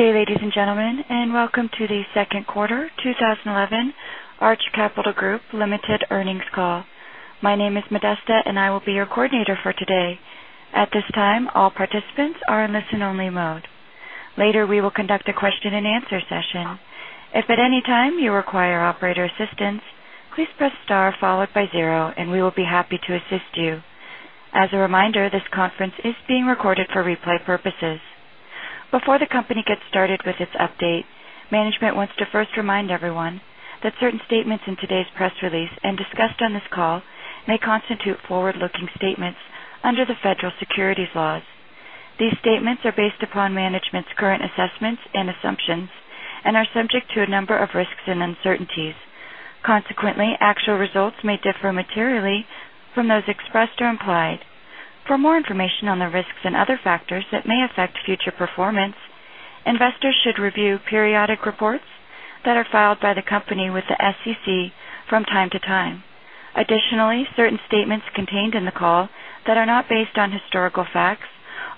Good day, ladies and gentlemen, and welcome to the second quarter 2011 Arch Capital Group Limited earnings call. My name is Modesta, and I will be your coordinator for today. At this time, all participants are in listen only mode. Later, we will conduct a question and answer session. If at any time you require operator assistance, please press star followed by zero and we will be happy to assist you. As a reminder, this conference is being recorded for replay purposes. Before the company gets started with its update, management wants to first remind everyone that certain statements in today's press release and discussed on this call may constitute forward-looking statements under the Federal securities laws. These statements are based upon management's current assessments and assumptions and are subject to a number of risks and uncertainties. Consequently, actual results may differ materially from those expressed or implied. For more information on the risks and other factors that may affect future performance, investors should review periodic reports that are filed by the company with the SEC from time to time. Additionally, certain statements contained in the call that are not based on historical facts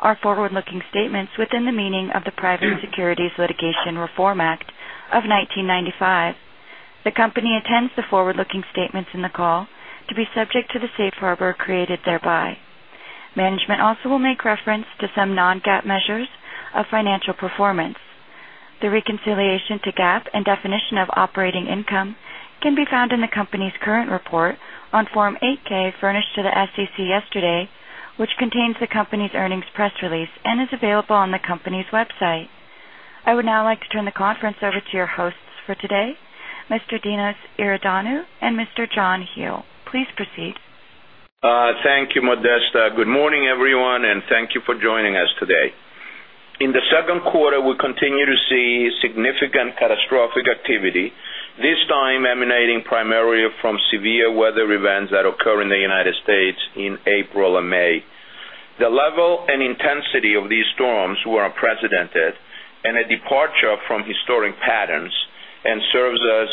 are forward-looking statements within the meaning of the Private Securities Litigation Reform Act of 1995. The company intends the forward-looking statements in the call to be subject to the safe harbor created thereby. Management also will make reference to some non-GAAP measures of financial performance. The reconciliation to GAAP and definition of operating income can be found in the company's current report on Form 8-K furnished to the SEC yesterday, which contains the company's earnings press release and is available on the company's website. I would now like to turn the conference over to your hosts for today, Mr. Dinos Iordanou and Mr. John Hele. Please proceed. Thank you, Modesta. Good morning, everyone, and thank you for joining us today. In the second quarter, we continue to see significant catastrophic activity, this time emanating primarily from severe weather events that occur in the United States in April and May. The level and intensity of these storms were unprecedented and a departure from historic patterns and serves us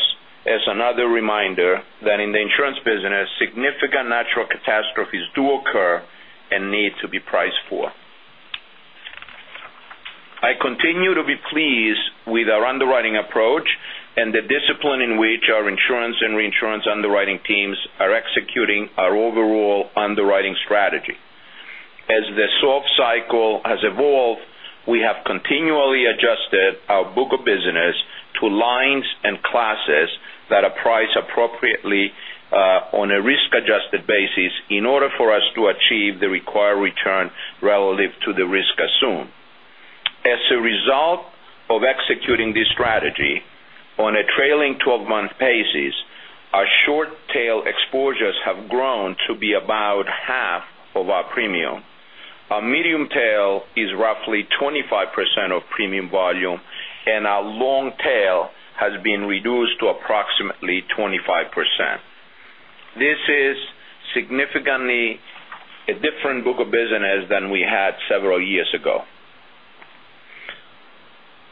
as another reminder that in the insurance business, significant natural catastrophes do occur and need to be priced for. I continue to be pleased with our underwriting approach and the discipline in which our insurance and reinsurance underwriting teams are executing our overall underwriting strategy. As the soft cycle has evolved, we have continually adjusted our book of business to lines and classes that are priced appropriately on a risk-adjusted basis in order for us to achieve the required return relative to the risk assumed. As a result of executing this strategy on a trailing 12-month basis, our short-tail exposures have grown to be about half of our premium. Our medium tail is roughly 25% of premium volume, and our long tail has been reduced to approximately 25%. This is significantly a different book of business than we had several years ago.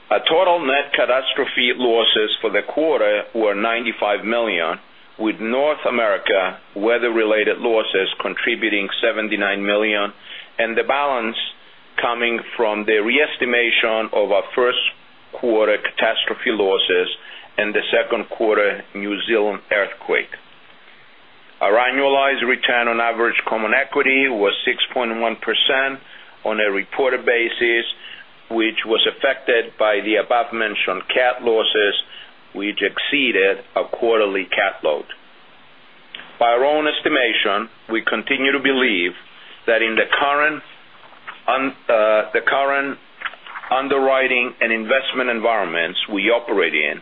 Our total net catastrophe losses for the quarter were $95 million, with North America weather-related losses contributing $79 million, and the balance coming from the re-estimation of our first-quarter catastrophe losses and the second-quarter New Zealand earthquake. Our annualized return on average common equity was 6.1% on a reported basis, which was affected by the above-mentioned cat losses, which exceeded our quarterly cat load. By our own estimation, we continue to believe that in the current underwriting and investment environments we operate in,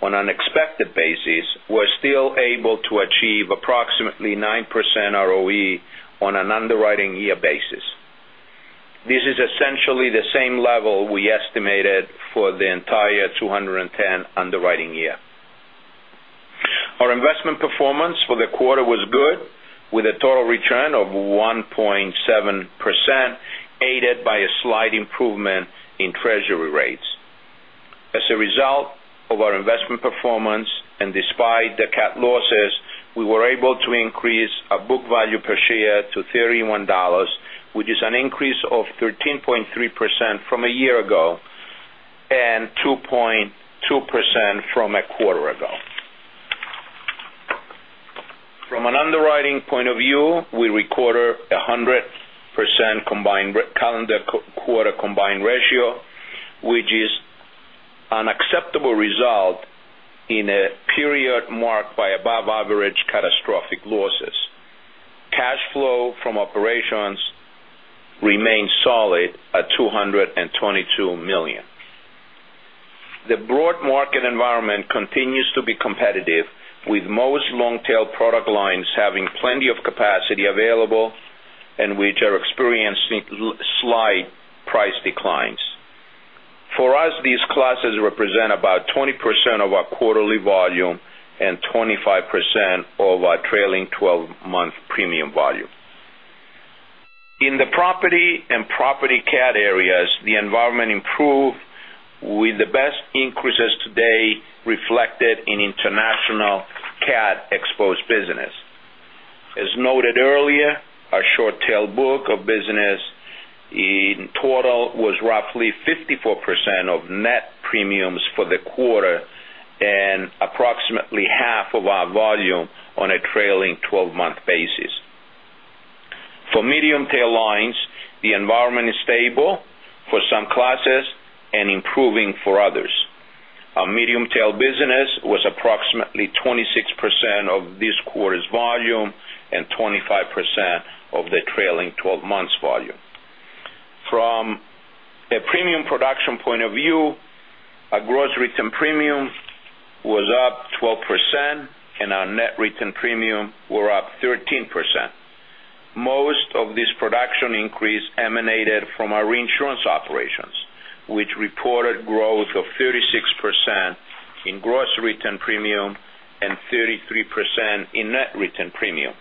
on an expected basis, we are still able to achieve approximately 9% ROE on an underwriting year basis. This is essentially the same level we estimated for the entire 2010 underwriting year. Our investment performance for the quarter was good, with a total return of 1.7%, aided by a slight improvement in treasury rates. As a result of our investment performance and despite the cat losses, we were able to increase our book value per share to $31, which is an increase of 13.3% from a year ago and 2.2% from a quarter ago. From an underwriting point of view, we recorded 100% calendar quarter combined ratio, which is an acceptable result in a period marked by above-average catastrophic losses. Cash flow from operations remained solid at $222 million. The broad market environment continues to be competitive, with most long-tail product lines having plenty of capacity available and which are experiencing slight price declines. For us, these classes represent about 20% of our quarterly volume and 25% of our trailing 12-month premium volume. In the property and property cat areas, the environment improved with the best increases today reflected in international cat-exposed business. The book of business in total was roughly 54% of net premiums for the quarter and approximately half of our volume on a trailing 12-month basis. For medium tail lines, the environment is stable for some classes and improving for others. Our medium tail business was approximately 26% of this quarter's volume and 25% of the trailing 12 months volume. From a premium production point of view, our gross written premium was up 12% and our net written premium were up 13%. Most of this production increase emanated from our reinsurance operations, which reported growth of 36% in gross written premium and 33% in net written premium.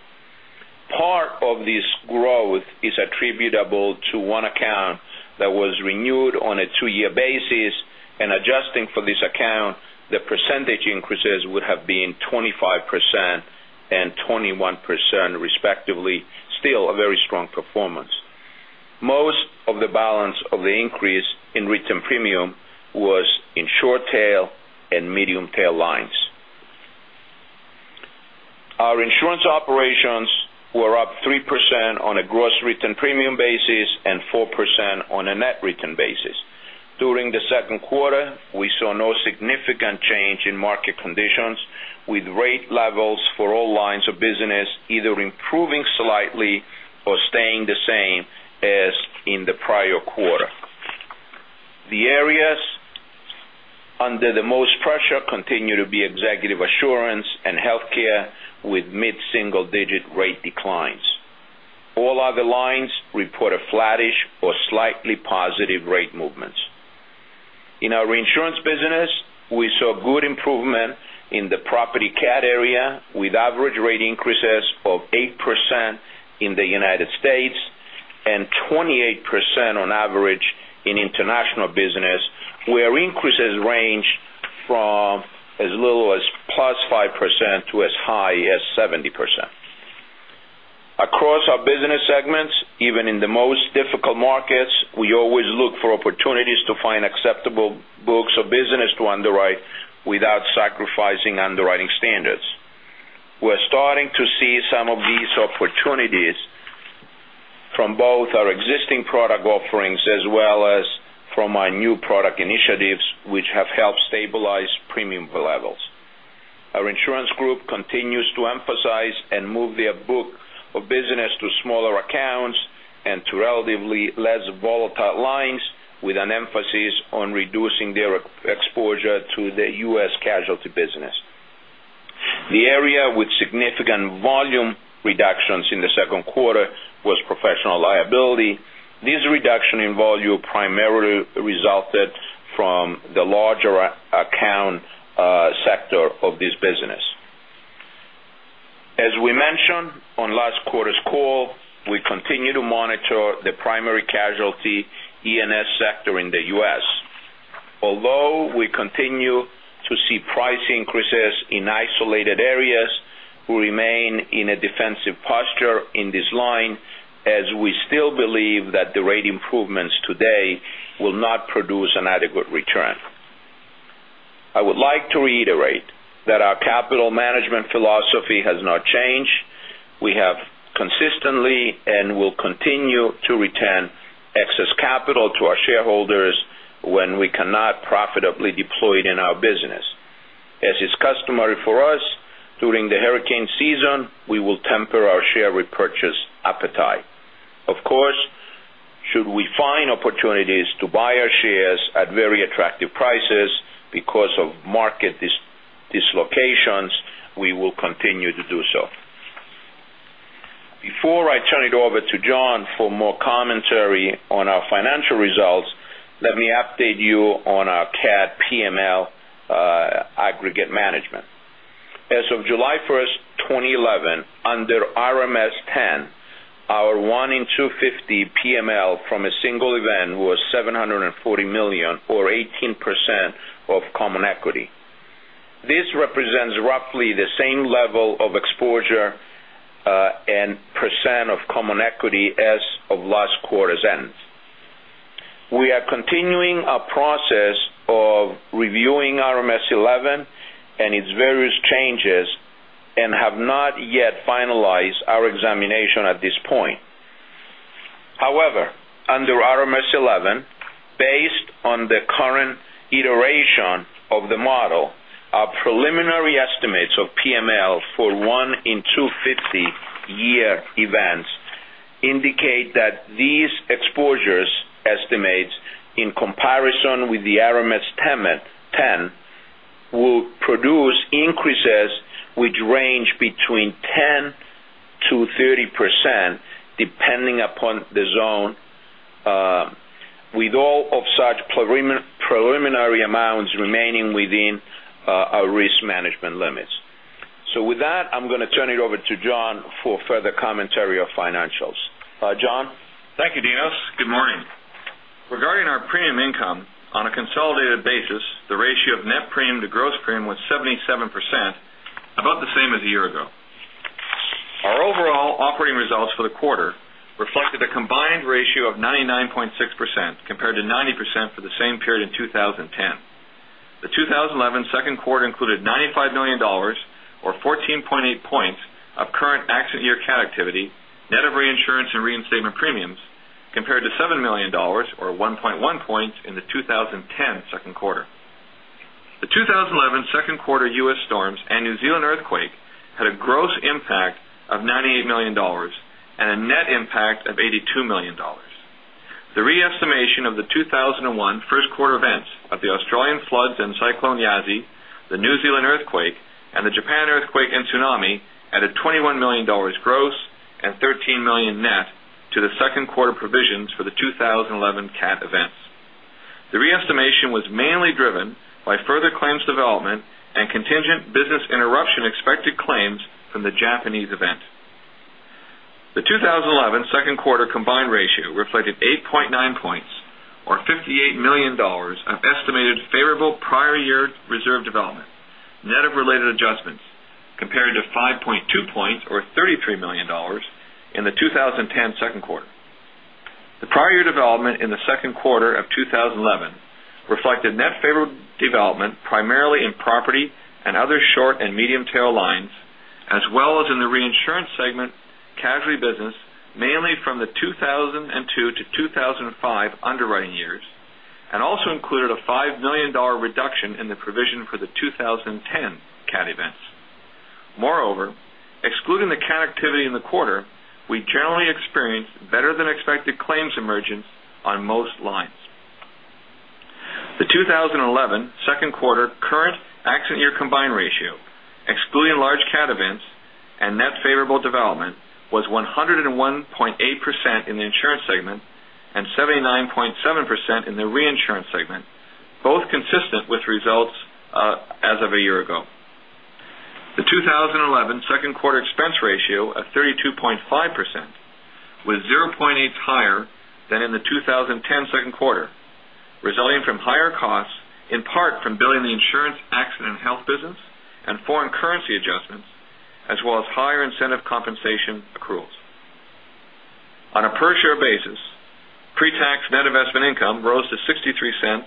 Part of this growth is attributable to one account that was renewed on a two-year basis, and adjusting for this account, the percentage increases would have been 25% and 21% respectively. Still a very strong performance. Most of the balance of the increase in written premium was in short tail and medium tail lines. Our insurance operations were up 3% on a gross written premium basis and 4% on a net written basis. During the second quarter, we saw no significant change in market conditions, with rate levels for all lines of business either improving slightly or staying the same as in the prior quarter. The areas under the most pressure continue to be executive assurance and healthcare, with mid-single digit rate declines. All other lines report a flattish or slightly positive rate movements. In our reinsurance business, we saw good improvement in the property cat area, with average rate increases of 8% in the United States and 28% on average in international business, where increases range from as little as +5% to as high as 70%. Across our business segments, even in the most difficult markets, we always look for opportunities to find acceptable books of business to underwrite without sacrificing underwriting standards. We're starting to see some of these opportunities from both our existing product offerings as well as from our new product initiatives, which have helped stabilize premium levels. Our insurance group continues to emphasize and move their book of business to smaller accounts and to relatively less volatile lines, with an emphasis on reducing their exposure to the U.S. casualty business. The area with significant volume reductions in the second quarter was professional liability. This reduction in volume primarily resulted from the larger account sector of this business. As we mentioned on last quarter's call, we continue to monitor the primary casualty E&S sector in the U.S. Although we continue to see price increases in isolated areas, we remain in a defensive posture in this line as we still believe that the rate improvements today will not produce an adequate return. I would like to reiterate that our capital management philosophy has not changed. We have consistently and will continue to return excess capital to our shareholders when we cannot profitably deploy it in our business. As is customary for us, during the hurricane season, we will temper our share repurchase appetite. Of course, should we find opportunities to buy our shares at very attractive prices because of market dislocations, we will continue to do so. Before I turn it over to John for more commentary on our financial results, let me update you on our PML aggregate management. As of July 1st, 2011, under RMS 10, our 1 in 250 PML from a single event was $740 million or 18% of common equity. This represents roughly the same level of exposure, and % of common equity as of last quarter's end. We are continuing our process of reviewing RMS 11 and its various changes and have not yet finalized our examination at this point. However, under RMS 11, based on the current iteration of the model, our preliminary estimates of PML for 1 in 250 year events indicate that these exposures estimates, in comparison with the RMS 10, will produce increases which range between 10%-30%, depending upon the zone, with all of such preliminary amounts remaining within our risk management limits. With that, I'm going to turn it over to John for further commentary of financials. John? Thank you, Dinos. Good morning. On a consolidated basis, the ratio of net premium to gross premium was 77%, about the same as a year ago. Our overall operating results for the quarter reflected a combined ratio of 99.6% compared to 90% for the same period in 2010. The 2011 second quarter included $95 million, or 14.8 points of current accident year cat activity, net of reinsurance and reinstatement premiums, compared to $7 million, or 1.1 points in the 2010 second quarter. The 2011 second quarter U.S. storms and New Zealand earthquake had a gross impact of $98 million and a net impact of $82 million. The re-estimation of the 2011 first quarter events of the Australian floods and Cyclone Yasi, the New Zealand earthquake, and the Japan earthquake and tsunami added $21 million gross and $13 million net to the second quarter provisions for the 2011 cat events. The re-estimation was mainly driven by further claims development and contingent business interruption expected claims from the Japanese event. The 2011 second quarter combined ratio reflected 8.9 points, or $58 million of estimated favorable prior year reserve development, net of related adjustments, compared to 5.2 points or $33 million in the 2010 second quarter. The prior year development in the second quarter of 2011 reflected net favorable development primarily in property and other short and medium-tail lines, as well as in the reinsurance segment casualty business, mainly from the 2002 to 2005 underwriting years, and also included a $5 million reduction in the provision for the 2010 cat events. Excluding the cat activity in the quarter, we generally experienced better than expected claims emergence on most lines. The 2011 second quarter current accident year combined ratio, excluding large cat events and net favorable development, was 101.8% in the insurance segment and 79.7% in the reinsurance segment, both consistent with results as of a year ago. The 2011 second quarter expense ratio of 32.5% was 0.8 higher than in the 2010 second quarter, resulting from higher costs, in part from billing the insurance accident and health business and foreign currency adjustments, as well as higher incentive compensation accruals. On a per-share basis, pre-tax net investment income rose to $0.63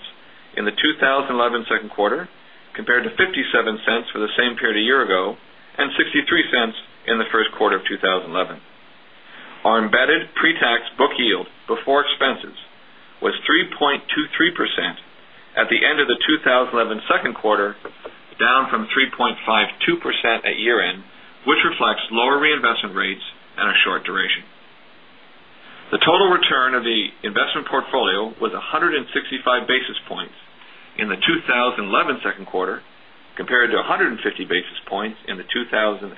in the 2011 second quarter, compared to $0.57 for the same period a year ago and $0.63 in the first quarter of 2011. Our embedded pre-tax book yield before expenses was 3.23% at the end of the 2011 second quarter, down from 3.52% at year-end, which reflects lower reinvestment rates and a short duration. The total return of the investment portfolio was 165 basis points in the 2011 second quarter, compared to 150 basis points in the 2011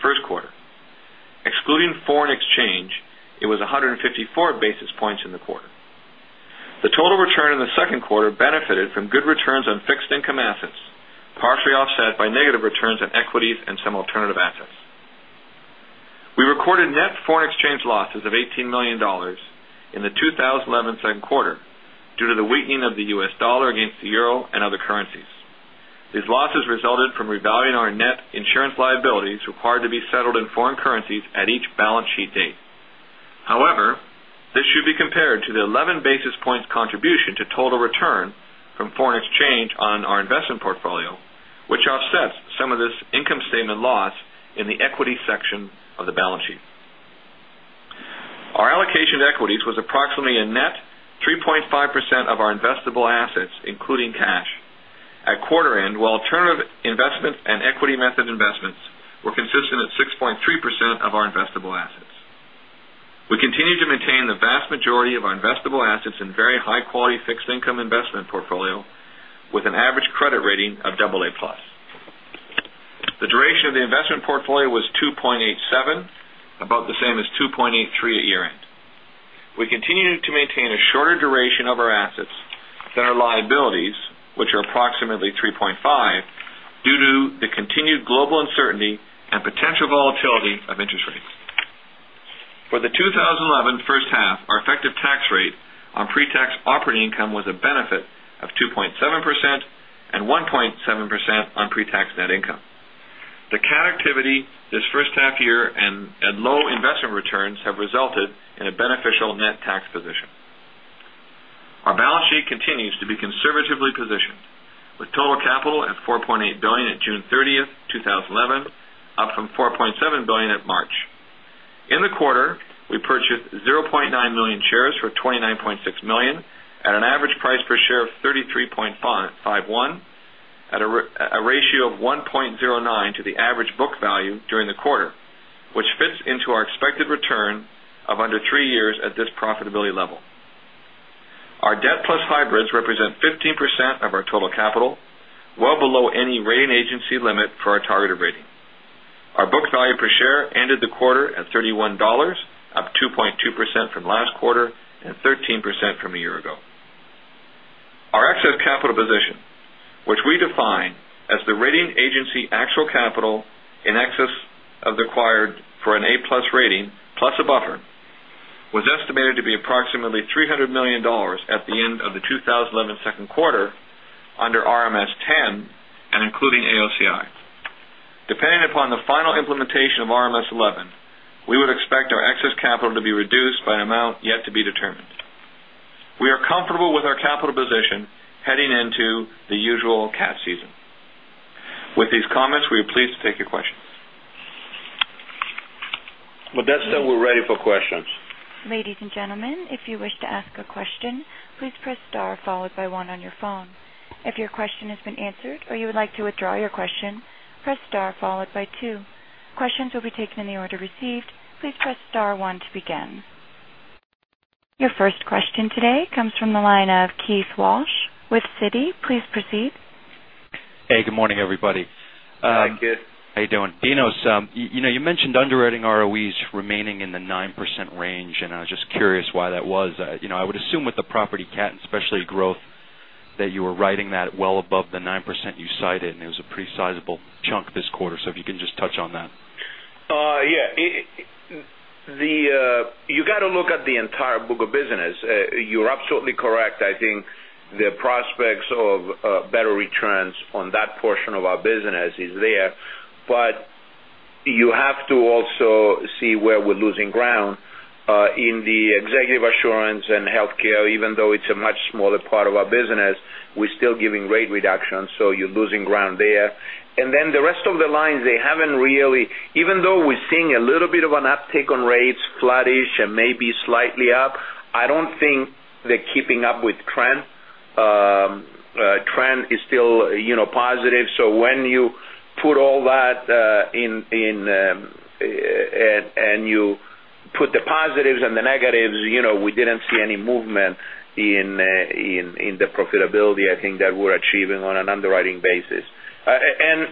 first quarter. Excluding foreign exchange, it was 154 basis points in the quarter. The total return in the second quarter benefited from good returns on fixed income assets, partially offset by negative returns on equities and some alternative assets. We recorded net foreign exchange losses of $18 million in the 2011 second quarter due to the weakening of the U.S. dollar against the euro and other currencies. These losses resulted from revaluing our net insurance liabilities required to be settled in foreign currencies at each balance sheet date. This should be compared to the 11 basis points contribution to total return from foreign exchange on our investment portfolio, which offsets some of this income statement loss in the equity section of the balance sheet. Our allocation to equities was approximately a net 3.5% of our investable assets, including cash, at quarter end, while alternative investment and equity method investments were consistent at 6.3% of our investable assets. We continue to maintain the vast majority of our investable assets in very high-quality fixed income investment portfolio with an average credit rating of AA+. The duration of the investment portfolio was 2.87, about the same as 2.83 at year-end. We continue to maintain a shorter duration of our assets than our liabilities, which are approximately 3.5 due to the continued global uncertainty and potential volatility of interest rates. For the 2011 first half, our effective tax rate on pre-tax operating income was a benefit of 2.7% and 1.7% on pre-tax net income. The cat activity this first half year and low investment returns have resulted in a beneficial net tax position. Our balance sheet continues to be conservatively positioned with total capital at $4.8 billion at June 30th, 2011, up from $4.7 billion at March. In the quarter, we purchased 0.9 million shares for $29.6 million at an average price per share of $33.51 at a ratio of 1.09 to the average book value during the quarter, which fits into our expected return of under three years at this profitability level. Our debt plus hybrids represent 15% of our total capital, well below any rating agency limit for our targeted rating. Our book value per share ended the quarter at $31, up 2.2% from last quarter and 13% from a year ago. Our excess capital position As the rating agency actual capital in excess of the required for an A+ rating plus a buffer was estimated to be approximately $300 million at the end of the 2011 second quarter under RMS 10 and including AOCI. Depending upon the final implementation of RMS 11, we would expect our excess capital to be reduced by an amount yet to be determined. We are comfortable with our capital position heading into the usual cat season. With these comments, we are pleased to take your questions. Modesta, we're ready for questions. Ladies and gentlemen, if you wish to ask a question, please press star followed by one on your phone. If your question has been answered or you would like to withdraw your question, press star followed by two. Questions will be taken in the order received. Please press star one to begin. Your first question today comes from the line of Keith Walsh with Citi. Please proceed. Hey, good morning, everybody. Hi, Keith. How you doing? Dinos, you mentioned underwriting ROEs remaining in the 9% range. I was just curious why that was. I would assume with the property cat, especially growth, that you were riding that well above the 9% you cited. It was a pretty sizable chunk this quarter. If you can just touch on that. Yeah. You got to look at the entire book of business. You're absolutely correct. I think the prospects of better returns on that portion of our business is there. You have to also see where we're losing ground in the executive assurance and healthcare, even though it's a much smaller part of our business, we're still giving rate reductions, so you're losing ground there. The rest of the lines, even though we're seeing a little bit of an uptick on rates, flattish and maybe slightly up, I don't think they're keeping up with trend. Trend is still positive. When you put all that in and you put the positives and the negatives, we didn't see any movement in the profitability, I think that we're achieving on an underwriting basis. 9%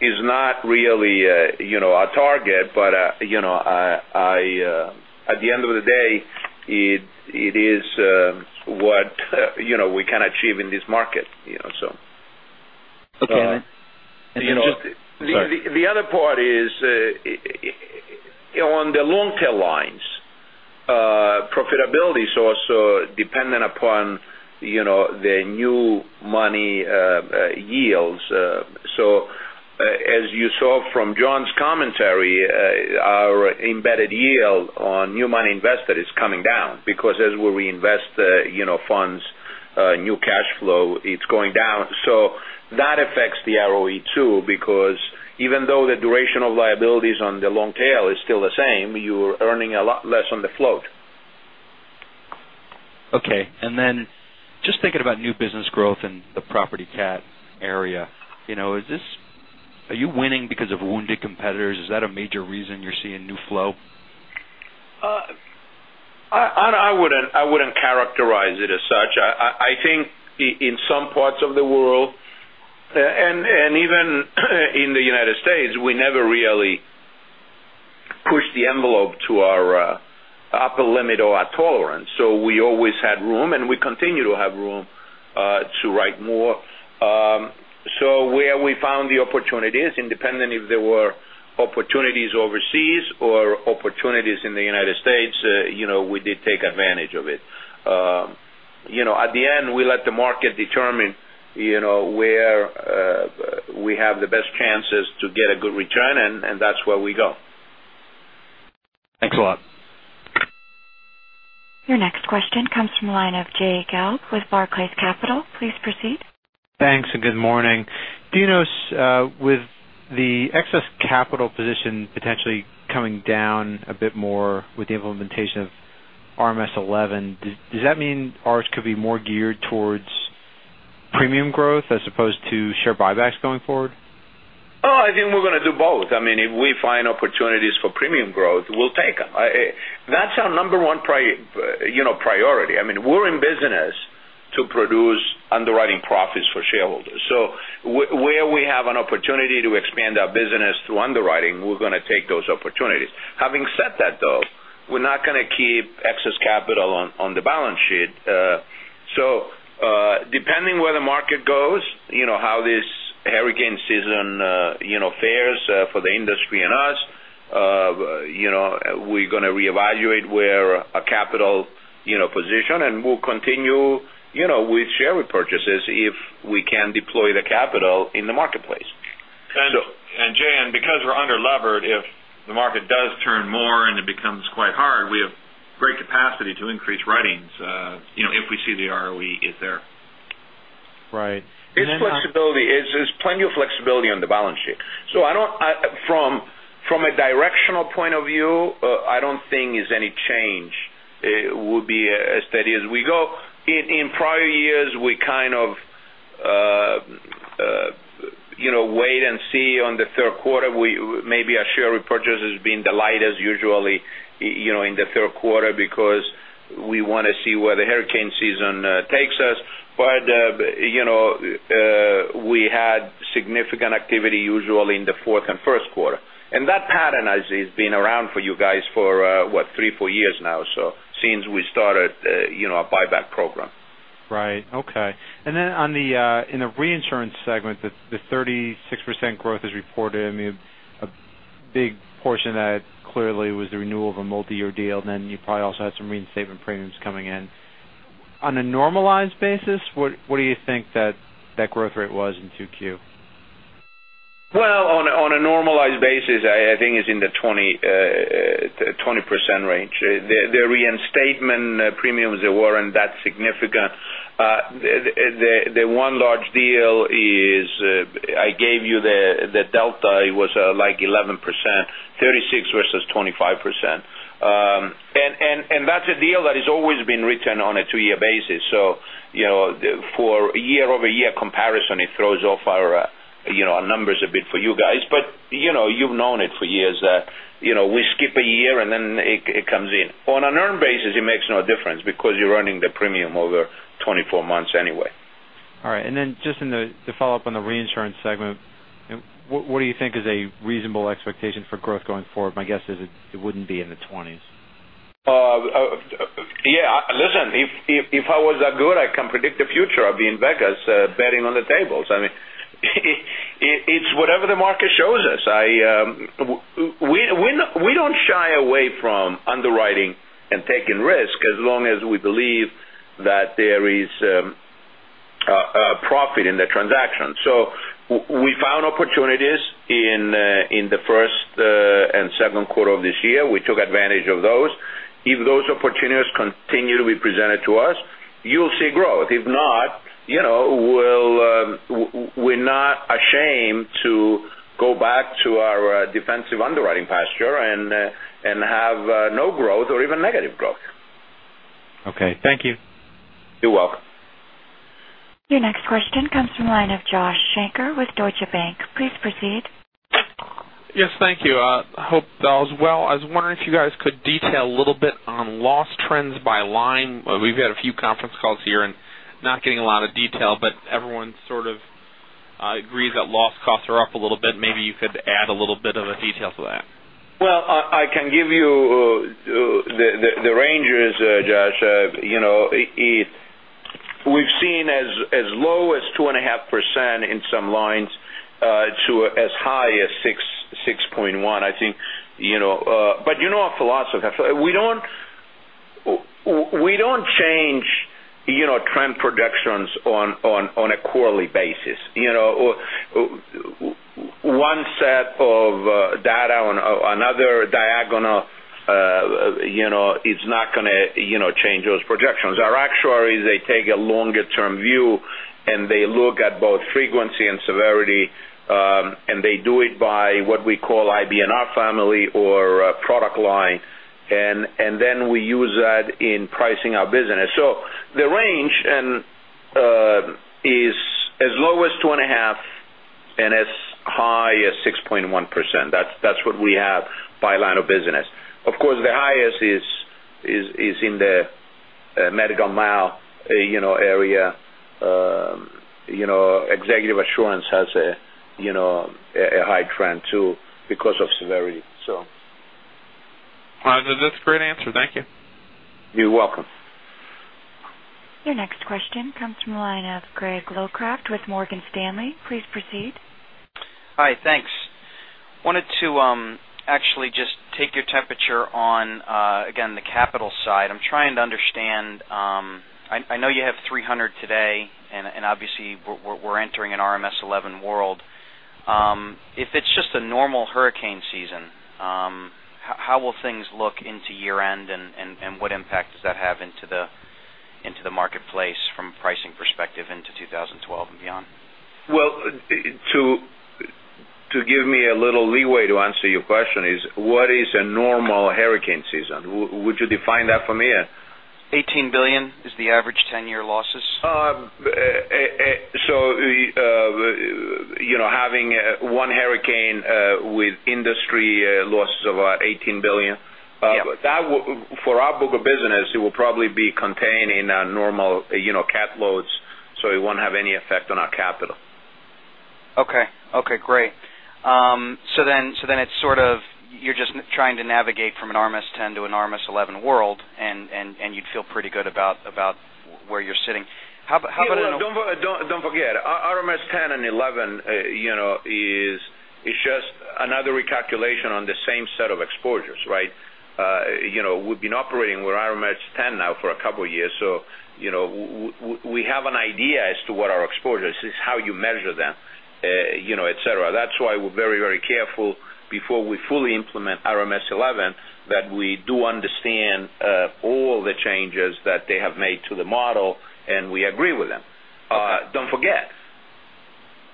is not really a target. At the end of the day, it is what we can achieve in this market. Okay. The other part is on the long tail lines, profitability is also dependent upon the new money yields. As you saw from John's commentary, our embedded yield on new money invested is coming down because as we reinvest funds, new cash flow, it's going down. That affects the ROE too, because even though the duration of liabilities on the long tail is still the same, you're earning a lot less on the float. Okay. Then just thinking about new business growth in the property cat area, are you winning because of wounded competitors? Is that a major reason you're seeing new flow? I wouldn't characterize it as such. I think in some parts of the world and even in the U.S., we never really pushed the envelope to our upper limit or our tolerance. We always had room, and we continue to have room to write more. Where we found the opportunities, independent if there were opportunities overseas or opportunities in the U.S., we did take advantage of it. At the end, we let the market determine where we have the best chances to get a good return, and that's where we go. Thanks a lot. Your next question comes from the line of Jay Gelb with Barclays Capital. Please proceed. Thanks and good morning. Dinos, with the excess capital position potentially coming down a bit more with the implementation of RMS 11, does that mean ours could be more geared towards premium growth as opposed to share buybacks going forward? I think we're going to do both. If we find opportunities for premium growth, we'll take them. That's our number one priority. We're in business to produce underwriting profits for shareholders. Where we have an opportunity to expand our business through underwriting, we're going to take those opportunities. Having said that, though, we're not going to keep excess capital on the balance sheet. Depending where the market goes, how this hurricane season fares for the industry and us, we're going to reevaluate where our capital position, and we'll continue with share repurchases if we can deploy the capital in the marketplace. Jay, and because we're underlevered, if the market does turn more and it becomes quite hard, we have great capacity to increase writings if we see the ROE is there. Right. Then how- There's plenty of flexibility on the balance sheet. From a directional point of view, I don't think there's any change. It would be as steady as we go. In prior years, we kind of wait and see on the third quarter. Maybe our share repurchase has been the lightest usually in the third quarter because we want to see where the hurricane season takes us. We had significant activity usually in the fourth and first quarter. That pattern has been around for you guys for what, three, four years now or so since we started our buyback program. Right. Okay. In the reinsurance segment, the 36% growth is reported. I mean. Big portion of that clearly was the renewal of a multi-year deal. You probably also had some reinstatement premiums coming in. On a normalized basis, what do you think that growth rate was in 2Q? Well, on a normalized basis, I think it's in the 20% range. The reinstatement premiums, they weren't that significant. The one large deal is, I gave you the delta, it was like 11%, 36% versus 25%. That's a deal that has always been written on a two-year basis. For year-over-year comparison, it throws off our numbers a bit for you guys. You've known it for years, we skip a year and then it comes in. On an earn basis, it makes no difference because you're earning the premium over 24 months anyway. All right. Just to follow up on the reinsurance segment, what do you think is a reasonable expectation for growth going forward? My guess is it wouldn't be in the 20s. Yeah. Listen, if I was that good, I can predict the future. I'd be in Vegas, betting on the tables. I mean, it's whatever the market shows us. We don't shy away from underwriting and taking risk as long as we believe that there is profit in the transaction. We found opportunities in the first and second quarter of this year. We took advantage of those. If those opportunities continue to be presented to us, you'll see growth. If not, we're not ashamed to go back to our defensive underwriting posture and have no growth or even negative growth. Okay. Thank you. You're welcome. Your next question comes from the line of Joshua Shanker with Deutsche Bank. Please proceed. Yes, thank you. Hope all is well. I was wondering if you guys could detail a little bit on loss trends by line. We've had a few conference calls here and not getting a lot of detail, but everyone sort of agrees that loss costs are up a little bit. Maybe you could add a little bit of a detail to that. Well, I can give you the ranges, Josh. We've seen as low as 2.5% in some lines, to as high as 6.1%, I think. You know our philosophy. We don't change trend projections on a quarterly basis. One set of data on another diagonal is not going to change those projections. Our actuaries, they take a longer-term view and they look at both frequency and severity, and they do it by what we call IBNR family or product line. We use that in pricing our business. The range is as low as 2.5 and as high as 6.1%. That's what we have by line of business. Of course, the highest is in the medical mal area. Executive Assurance has a high trend too because of severity. That's a great answer. Thank you. You're welcome. Your next question comes from the line of Greg Locraft with Morgan Stanley. Please proceed. Hi, thanks. Wanted to actually just take your temperature on, again, the capital side. I'm trying to understand. I know you have 300 today, and obviously we're entering an RMS 11 world. If it's just a normal hurricane season, how will things look into year-end and what impact does that have into the marketplace from pricing perspective into 2012 and beyond? Well, to give me a little leeway to answer your question is, what is a normal hurricane season? Would you define that for me? $18 billion is the average 10-year losses. Having one hurricane with industry losses of about $18 billion? Yeah. For our book of business, it will probably be contained in our normal cat loads, so it won't have any effect on our capital. Okay. Great. You're just trying to navigate from an RMS 10 to an RMS 11 world, and you'd feel pretty good about where you're sitting. Don't forget, RMS 10 and 11 is just another recalculation on the same set of exposures, right? We've been operating with RMS 10 now for a couple of years. We have an idea as to what our exposure is. It's how you measure them et cetera. That's why we're very careful before we fully implement RMS 11, that we do understand all the changes that they have made to the model and we agree with them. Don't forget,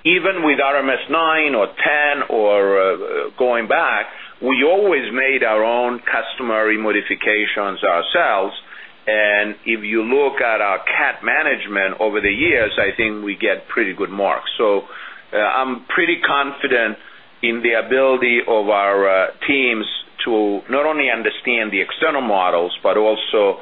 even with RMS 9 or 10 or going back, we always made our own customary modifications ourselves. If you look at our cat management over the years, I think we get pretty good marks. I'm pretty confident in the ability of our teams to not only understand the external models, but also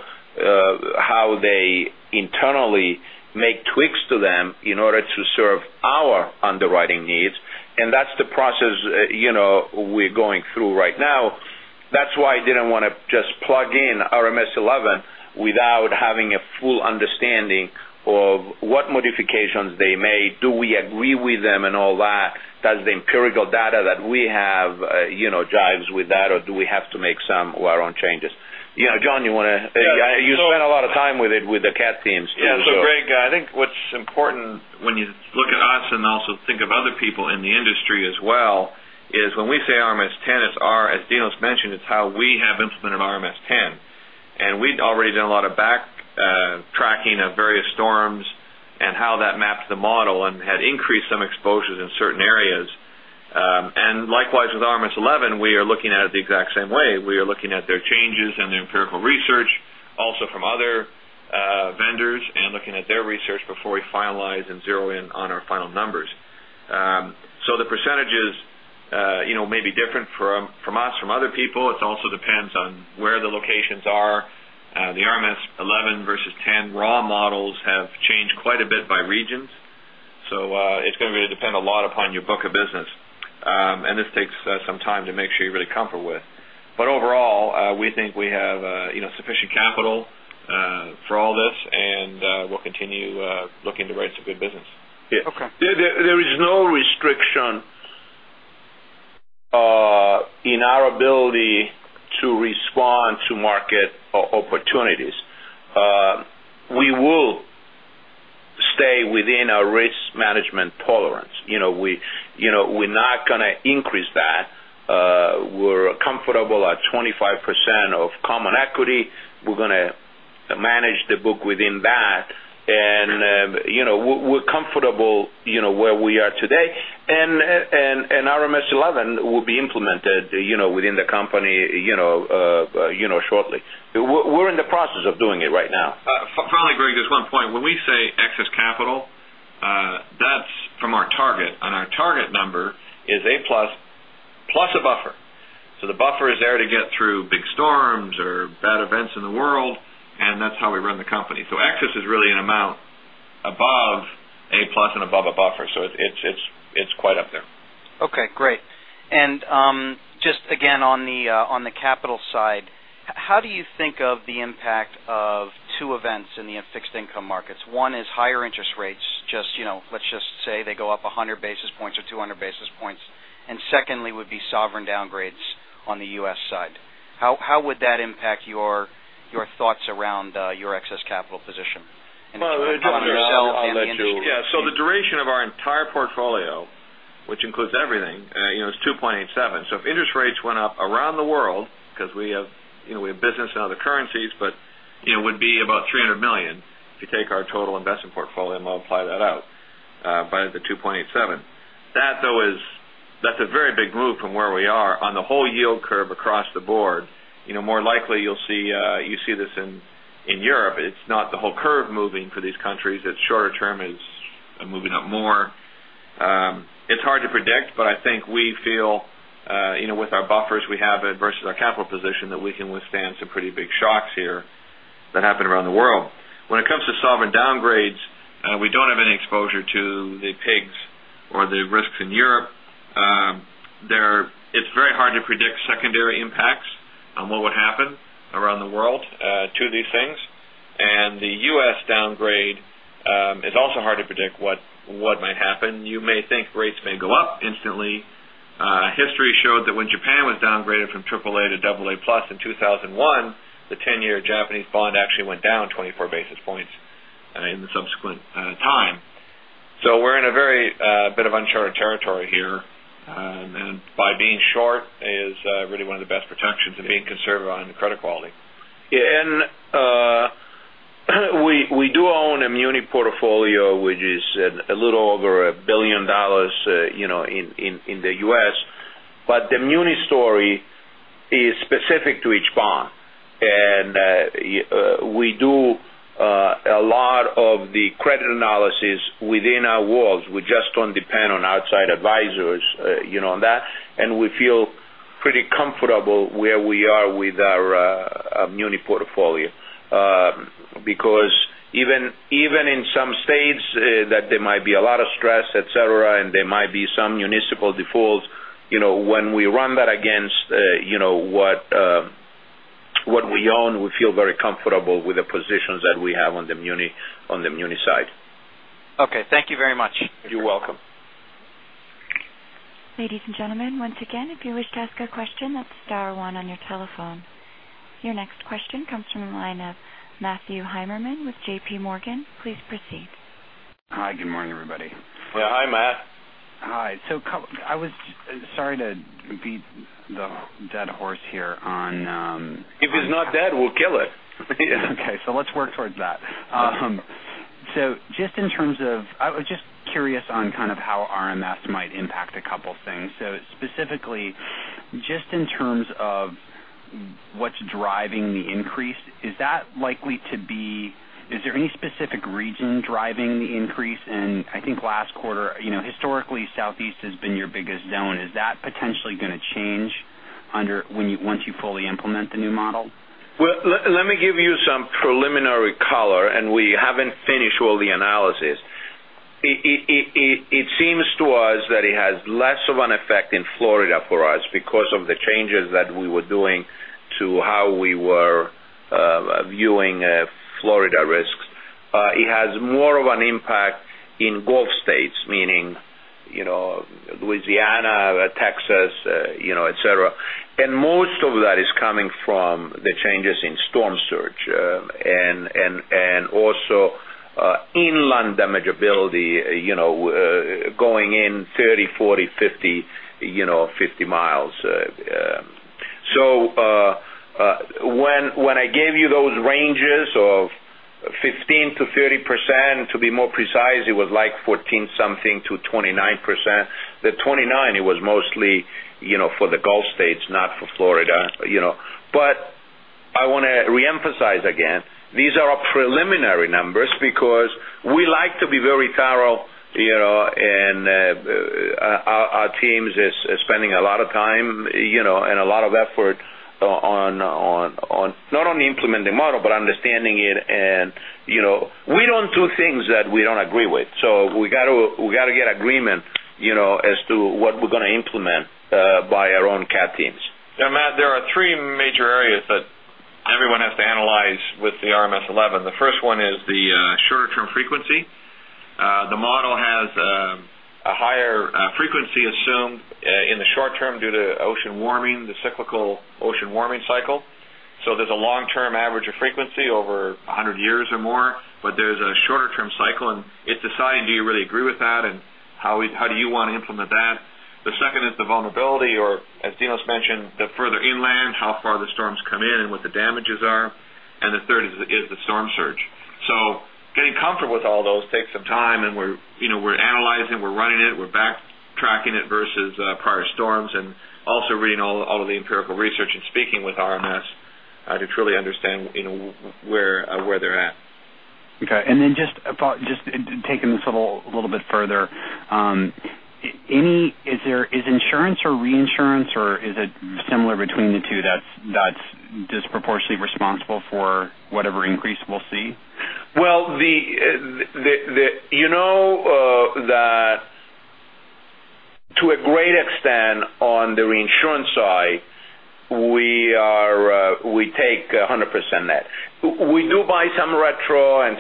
how they internally make tweaks to them in order to serve our underwriting needs. That's the process we're going through right now. That's why I didn't want to just plug in RMS 11 without having a full understanding of what modifications they made. Do we agree with them and all that? Does the empirical data that we have jive with that, or do we have to make some of our own changes? John, you want to Yeah. You spent a lot of time with it, with the cat teams. Greg, I think what's important when you look at us and also think about other people in the industry as well, is when we say RMS 10, as Dinos mentioned, it's how we have implemented RMS 10. We'd already done a lot of back tracking of various storms and how that mapped the model and had increased some exposures in certain areas. Likewise, with RMS 11, we are looking at it the exact same way. We are looking at their changes and the empirical research also from other vendors and looking at their research before we finalize and zero in on our final numbers. The percentages may be different from us, from other people. It also depends on where the locations are. The RMS 11 versus 10 raw models have changed quite a bit by regions. It's going to depend a lot upon your book of business. This takes some time to make sure you're really comfortable with. Overall, we think we have sufficient capital for all this, and we'll continue looking to write some good business. Yeah. Okay. There is no restriction in our ability to respond to market opportunities. We will stay within our risk management tolerance. We're not going to increase that. We're comfortable at 25% of common equity. We're going to manage the book within that. We're comfortable where we are today. RMS 11 will be implemented within the company shortly. We're in the process of doing it right now. Finally, Greg, there's one point. When we say excess capital, that's from our target, our target number is A+, plus a buffer. The buffer is there to get through big storms or bad events in the world, that's how we run the company. Excess is really an amount above A+ and above a buffer. It's quite up there. Okay, great. Just again on the capital side, how do you think of the impact of two events in the fixed income markets? One is higher interest rates. Let's just say they go up 100 basis points or 200 basis points. Secondly, would be sovereign downgrades on the U.S. side. How would that impact your thoughts around your excess capital position? Well, I'll let you- Yeah. The duration of our entire portfolio, which includes everything, is 2.87. If interest rates went up around the world, because we have business in other currencies, it would be about $300 million if you take our total investment portfolio and multiply that out by the 2.87. That's a very big move from where we are on the whole yield curve across the board. More likely you see this in Europe. It's not the whole curve moving for these countries. It's shorter term is moving up more. It's hard to predict, but I think we feel with our buffers we have versus our capital position, that we can withstand some pretty big shocks here that happen around the world. When it comes to sovereign downgrades, we don't have any exposure to the PIIGS or the risks in Europe. It's very hard to predict secondary impacts on what would happen around the world to these things. The U.S. downgrade is also hard to predict what might happen. You may think rates may go up instantly. History showed that when Japan was downgraded from AAA to AA+ in 2001, the 10-year Japanese bond actually went down 24 basis points in the subsequent time. We're in a very bit of uncharted territory here. By being short is really one of the best protections, and being conservative on the credit quality. Yeah. We do own a muni portfolio, which is a little over $1 billion in the U.S. The muni story is specific to each bond. We do a lot of the credit analysis within our walls. We just don't depend on outside advisors on that. We feel pretty comfortable where we are with our muni portfolio. Even in some states that there might be a lot of stress, et cetera, and there might be some municipal defaults. When we run that against what we own, we feel very comfortable with the positions that we have on the muni side. Okay. Thank you very much. You're welcome. Ladies and gentlemen, once again, if you wish to ask a question, that's star one on your telephone. Your next question comes from the line of Matthew Heimermann with J.P. Morgan. Please proceed. Hi. Good morning, everybody. Yeah. Hi, Matt. Hi. Sorry to beat the dead horse here on- If it's not dead, we'll kill it. Okay. Let's work towards that. Okay. I was just curious on kind of how RMS might impact a couple things. Specifically, just in terms of what's driving the increase, is there any specific region driving the increase in, I think last quarter, historically Southeast has been your biggest zone. Is that potentially going to change once you fully implement the new model? Let me give you some preliminary color. We haven't finished all the analysis. It seems to us that it has less of an effect in Florida for us because of the changes that we were doing to how we were viewing Florida risks. It has more of an impact in Gulf states, meaning Louisiana, Texas, et cetera. Most of that is coming from the changes in storm surge, and also inland damage ability, going in 30, 40, 50 miles. When I gave you those ranges of 15%-30%, to be more precise, it was 14-something to 29%. The 29% it was mostly for the Gulf states, not for Florida. I want to reemphasize again, these are preliminary numbers because we like to be very thorough, and our team is spending a lot of time and a lot of effort on not only implementing the model, but understanding it. We don't do things that we don't agree with. We got to get agreement as to what we're going to implement by our own cat teams. Matt, there are three major areas that everyone has to analyze with the RMS 11. The first one is the shorter-term frequency. The model has a higher frequency assumed in the short term due to ocean warming, the cyclical ocean warming cycle. There's a long-term average of frequency over 100 years or more. There's a shorter term cycle, and it's deciding, do you really agree with that, and how do you want to implement that? The second is the vulnerability, or as Dinos mentioned, the further inland, how far the storms come in and what the damages are. The third is the storm surge. Getting comfortable with all those takes some time, and we're analyzing, we're running it, we're backtracking it versus prior storms, and also reading all of the empirical research and speaking with RMS to truly understand where they're at. Then just taking this a little bit further. Is insurance or reinsurance, or is it similar between the two that's disproportionately responsible for whatever increase we'll see? Well, you know that to a great extent on the reinsurance side, we take 100% net. We do buy some retro and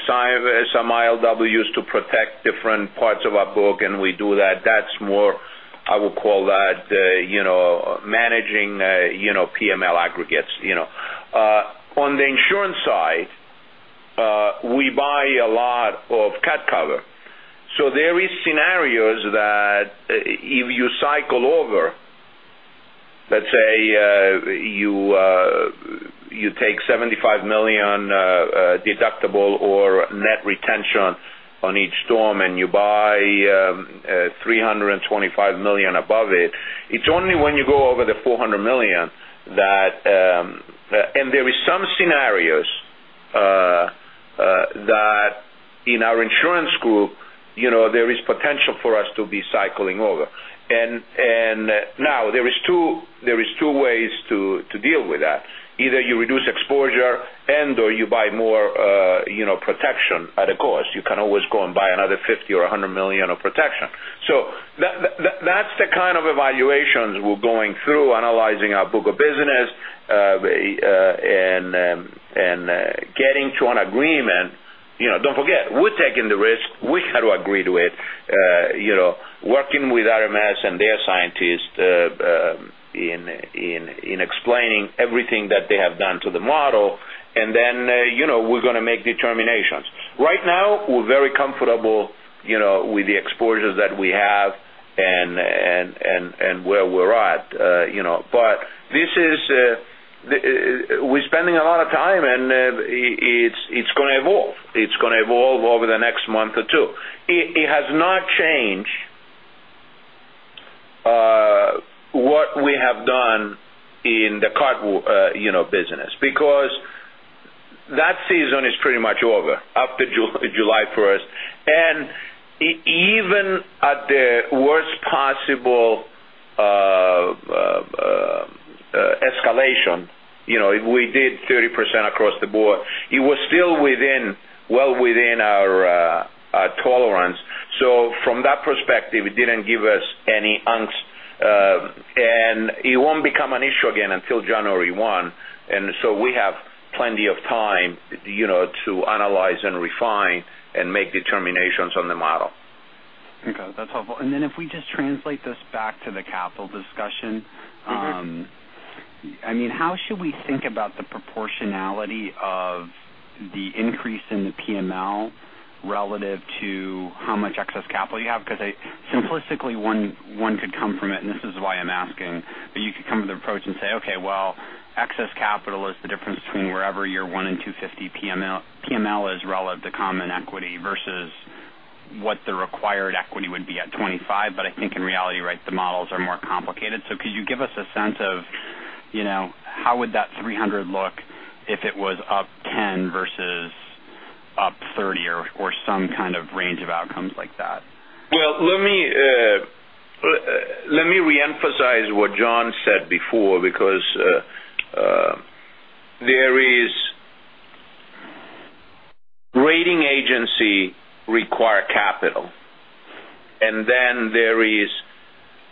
some ILWs to protect different parts of our book, and we do that. That's more, I would call that managing PML aggregates. On the insurance side, we buy a lot of cat cover. There is scenarios that if you cycle over, let's say you take $75 million deductible or net retention on each storm, and you buy $325 million above it's only when you go over the $400 million. There is some scenarios that in our insurance group there is potential for us to be cycling over. Now there is two ways to deal with that. Either you reduce exposure and/or you buy more protection at a cost. You can always go and buy another $50 million or $100 million of protection. That's the kind of evaluations we're going through, analyzing our book of business, and getting to an agreement. Don't forget, we're taking the risk. We got to agree to it. Working with RMS and their scientists in explaining everything that they have done to the model, and then we're going to make determinations. Right now, we're very comfortable with the exposures that we have and where we're at. We're spending a lot of time, and it's going to evolve. It's going to evolve over the next month or two. It has not changed what we have done in the cat business because that season is pretty much over after July 1st. Even at the worst possible escalation, if we did 30% across the board, it was still well within our tolerance. From that perspective, it didn't give us any angst. It won't become an issue again until January 1. We have plenty of time to analyze and refine, and make determinations on the model. Okay, that's helpful. If we just translate this back to the capital discussion. How should we think about the proportionality of the increase in the PML relative to how much excess capital you have? Simplistically, one could come from it, and this is why I'm asking, but you could come with the approach and say, okay, well, excess capital is the difference between wherever you're one in 250 PML as relative to common equity versus what the required equity would be at 25. I think in reality, the models are more complicated. Could you give us a sense of how would that 300 look if it was up 10 versus up 30 or some kind of range of outcomes like that? Let me reemphasize what John said before. Rating agency require capital, there is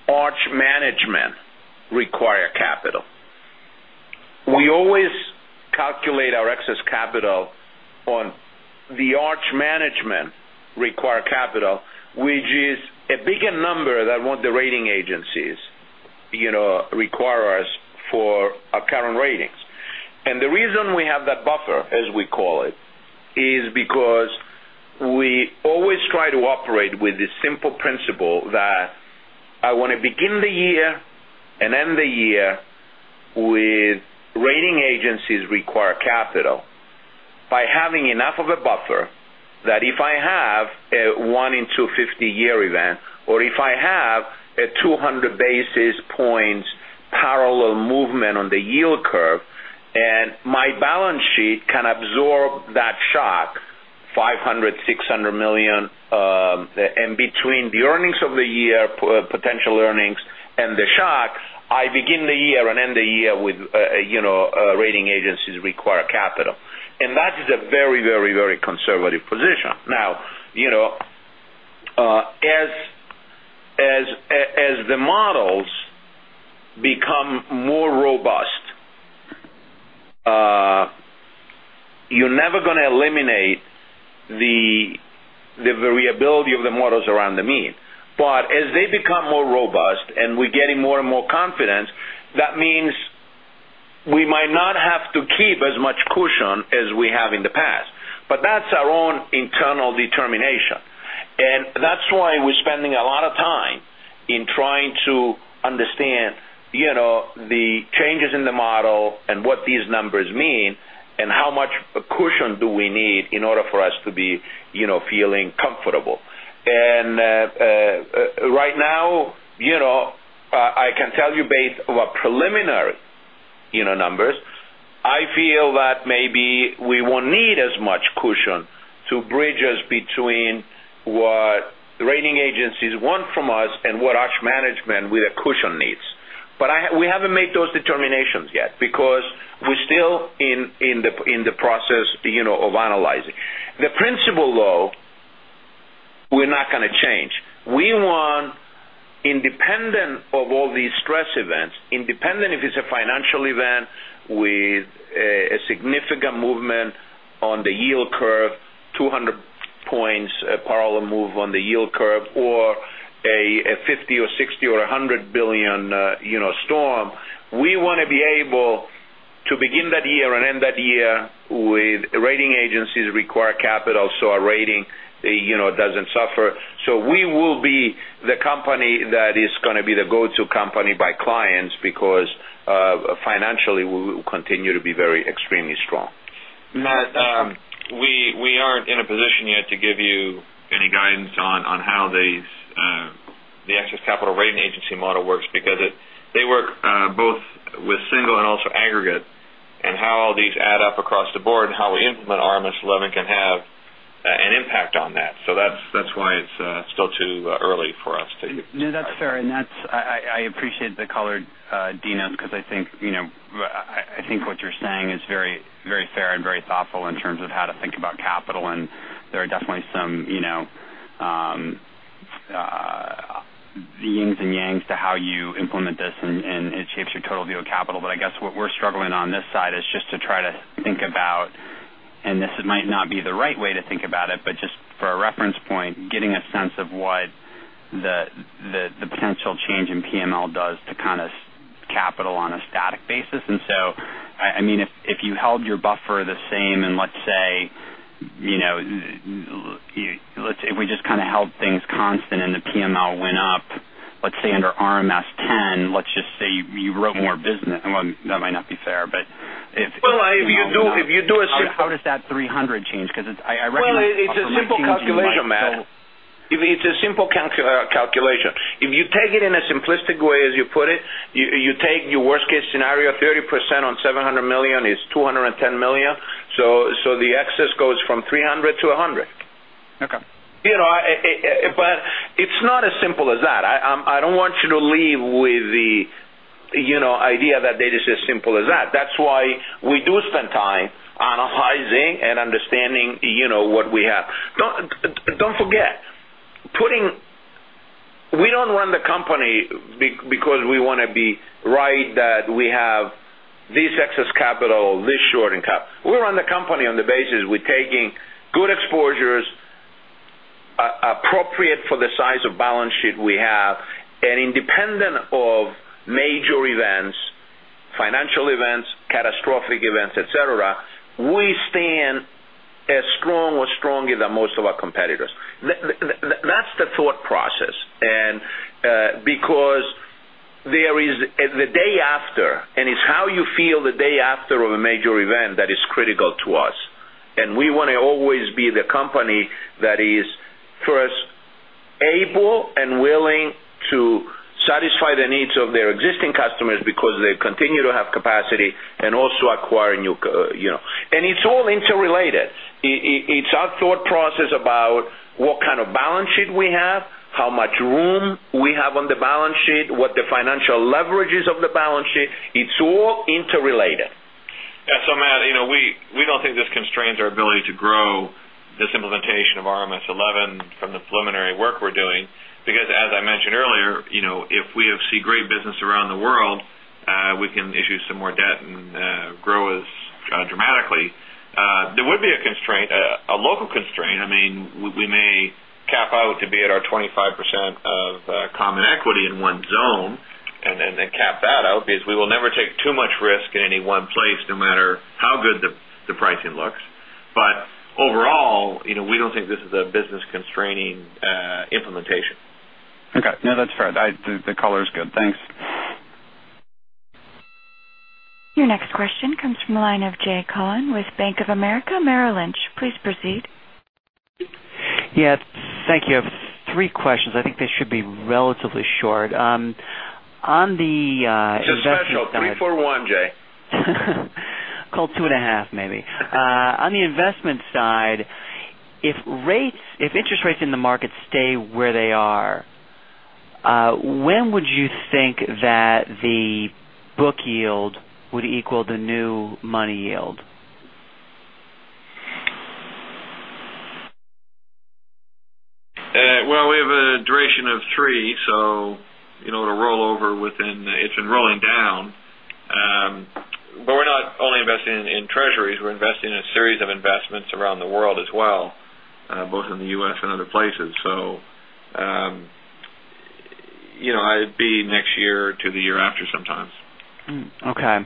Arch Management require capital. We always calculate our excess capital on the Arch Management require capital, which is a bigger number than what the rating agencies require us for our current ratings. The reason we have that buffer, as we call it, is because we always try to operate with the simple principle that I want to begin the year and end the year with rating agencies require capital by having enough of a buffer that if I have a one in 250-year event, or if I have a 200 basis points parallel movement on the yield curve, my balance sheet can absorb that shock, $500 million-$600 million, between the earnings of the year, potential earnings, and the shock, I begin the year and end the year with rating agencies require capital. That is a very conservative position. As the models become more robust, you're never going to eliminate the variability of the models around the mean. As they become more robust, we're getting more and more confidence, that means we might not have to keep as much cushion as we have in the past. That's our own internal determination. That's why we're spending a lot of time in trying to understand the changes in the model and what these numbers mean, how much cushion do we need in order for us to be feeling comfortable. Right now, I can tell you based on preliminary numbers, I feel that maybe we won't need as much cushion to bridge us between what the rating agencies want from us and what Arch Management with a cushion needs. We haven't made those determinations yet because we're still in the process of analyzing. The principle, though, we're not going to change. We want independent of all these stress events, independent if it's a financial event with a significant movement on the yield curve, 200 points parallel move on the yield curve, or a $50 billion or $60 billion or $100 billion storm. We want to be able to begin that year and end that year with rating agencies require capital, so our rating doesn't suffer. We will be the company that is going to be the go-to company by clients because financially, we will continue to be very extremely strong. Matt, we aren't in a position yet to give you any guidance on how the excess capital rating agency model works because they work both with single and also aggregate, and how all these add up across the board and how we implement RMS 11 can have an impact on that. So that's why it's still too early for us. No, that's fair. I appreciate the color, Dinos. Because I think what you're saying is very fair and very thoughtful in terms of how to think about capital, and there are definitely some yins and yangs to how you implement this, and it shapes your total view of capital. But I guess what we're struggling on this side is just to try to think about, and this might not be the right way to think about it, but just for a reference point, getting a sense of what the potential change in PML does to capital on a static basis. And so, if you held your buffer the same, and let's say if we just held things constant and the PML went up, let's say under RMS 10, let's just say you wrote more business. Well, that might not be fair. Well. How does that 300 change? Well, it's a simple calculation, Matt. It's a simple calculation. If you take it in a simplistic way, as you put it, you take your worst-case scenario, 30% on $700 million is $210 million. The excess goes from 300 to 100. Okay. It's not as simple as that. I don't want you to leave with the idea that it is as simple as that. That's why we do spend time analyzing and understanding what we have. Don't forget, we don't run the company because we want to be right that we have this excess capital, this short in capital. We run the company on the basis we're taking good exposures appropriate for the size of balance sheet we have, independent of major events, financial events, catastrophic events, et cetera, we stand as strong or stronger than most of our competitors. That's the thought process. Because the day after, it's how you feel the day after of a major event that is critical to us. We want to always be the company that is first able and willing to satisfy the needs of their existing customers because they continue to have capacity and also acquire new. It's all interrelated. It's our thought process about what kind of balance sheet we have, how much room we have on the balance sheet, what the financial leverage is of the balance sheet. It's all interrelated. Yeah. Matt, we don't think this constrains our ability to grow this implementation of RMS 11 from the preliminary work we're doing. As I mentioned earlier, if we see great business around the world, we can issue some more debt and grow as dramatically. There would be a constraint, a local constraint. We may cap out to be at our 25% of common equity in one zone and then cap that out because we will never take too much risk in any one place, no matter how good the pricing looks. Overall, we don't think this is a business constraining implementation. Okay. No, that's fair. The color is good. Thanks. Your next question comes from the line of Jay Cohen with Bank of America Merrill Lynch. Please proceed. Yes. Thank you. Three questions. I think they should be relatively short. It's a special. Three for one, Jay. Call it two and a half, maybe. On the investment side, if interest rates in the market stay where they are, when would you think that the book yield would equal the new money yield? Well, we have a duration of three, it'll roll over. We're not only investing in treasuries, we're investing in a series of investments around the world as well, both in the U.S. and other places. It would be next year to the year after sometimes. Okay.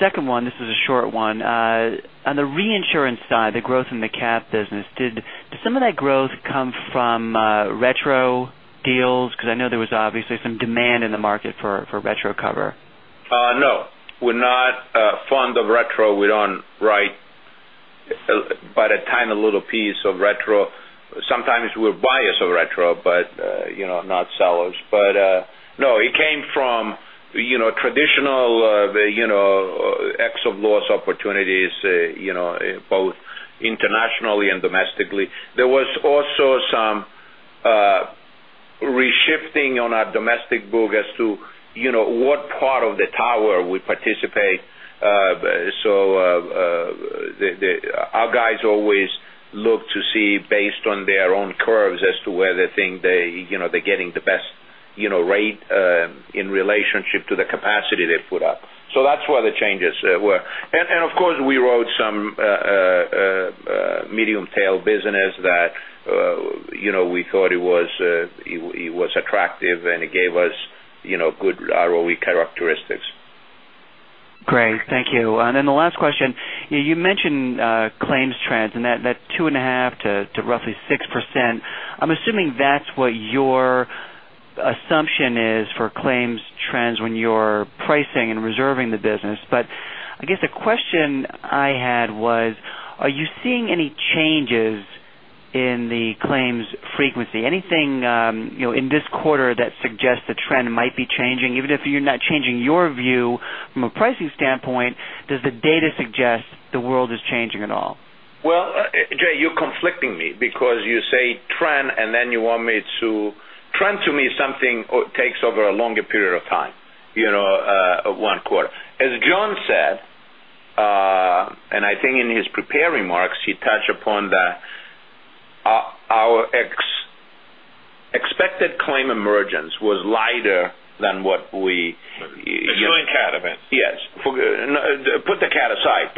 Second one, this is a short one. On the reinsurance side, the growth in the cat business, did some of that growth come from retro deals? I know there was obviously some demand in the market for retro cover. No, we're not fond of retro. We don't write but a tiny little piece of retro. Sometimes we're buyers of retro, but not sellers. No, it came from traditional, the excess of loss opportunities, both internationally and domestically. There was also some re-shifting on our domestic book as to what part of the tower we participate. Our guys always look to see based on their own curves as to where they think they're getting the best rate in relationship to the capacity they put up. That's where the changes were. Of course, we wrote some medium tail business that we thought it was attractive, and it gave us good ROE characteristics. Great. Thank you. The last question, you mentioned claims trends and that 2.5% to roughly 6%. I'm assuming that's what your assumption is for claims trends when you're pricing and reserving the business. I guess the question I had was, are you seeing any changes in the claims frequency? Anything in this quarter that suggests the trend might be changing, even if you're not changing your view from a pricing standpoint, does the data suggest the world is changing at all? Well, Jay, you're conflicting me because you say trend and then you want me. Trend to me is something takes over a longer period of time, one quarter. As John said, I think in his prepared remarks, he touched upon that our expected claim emergence was lighter than what we The Chilean cat event. Yes. Put the cat aside.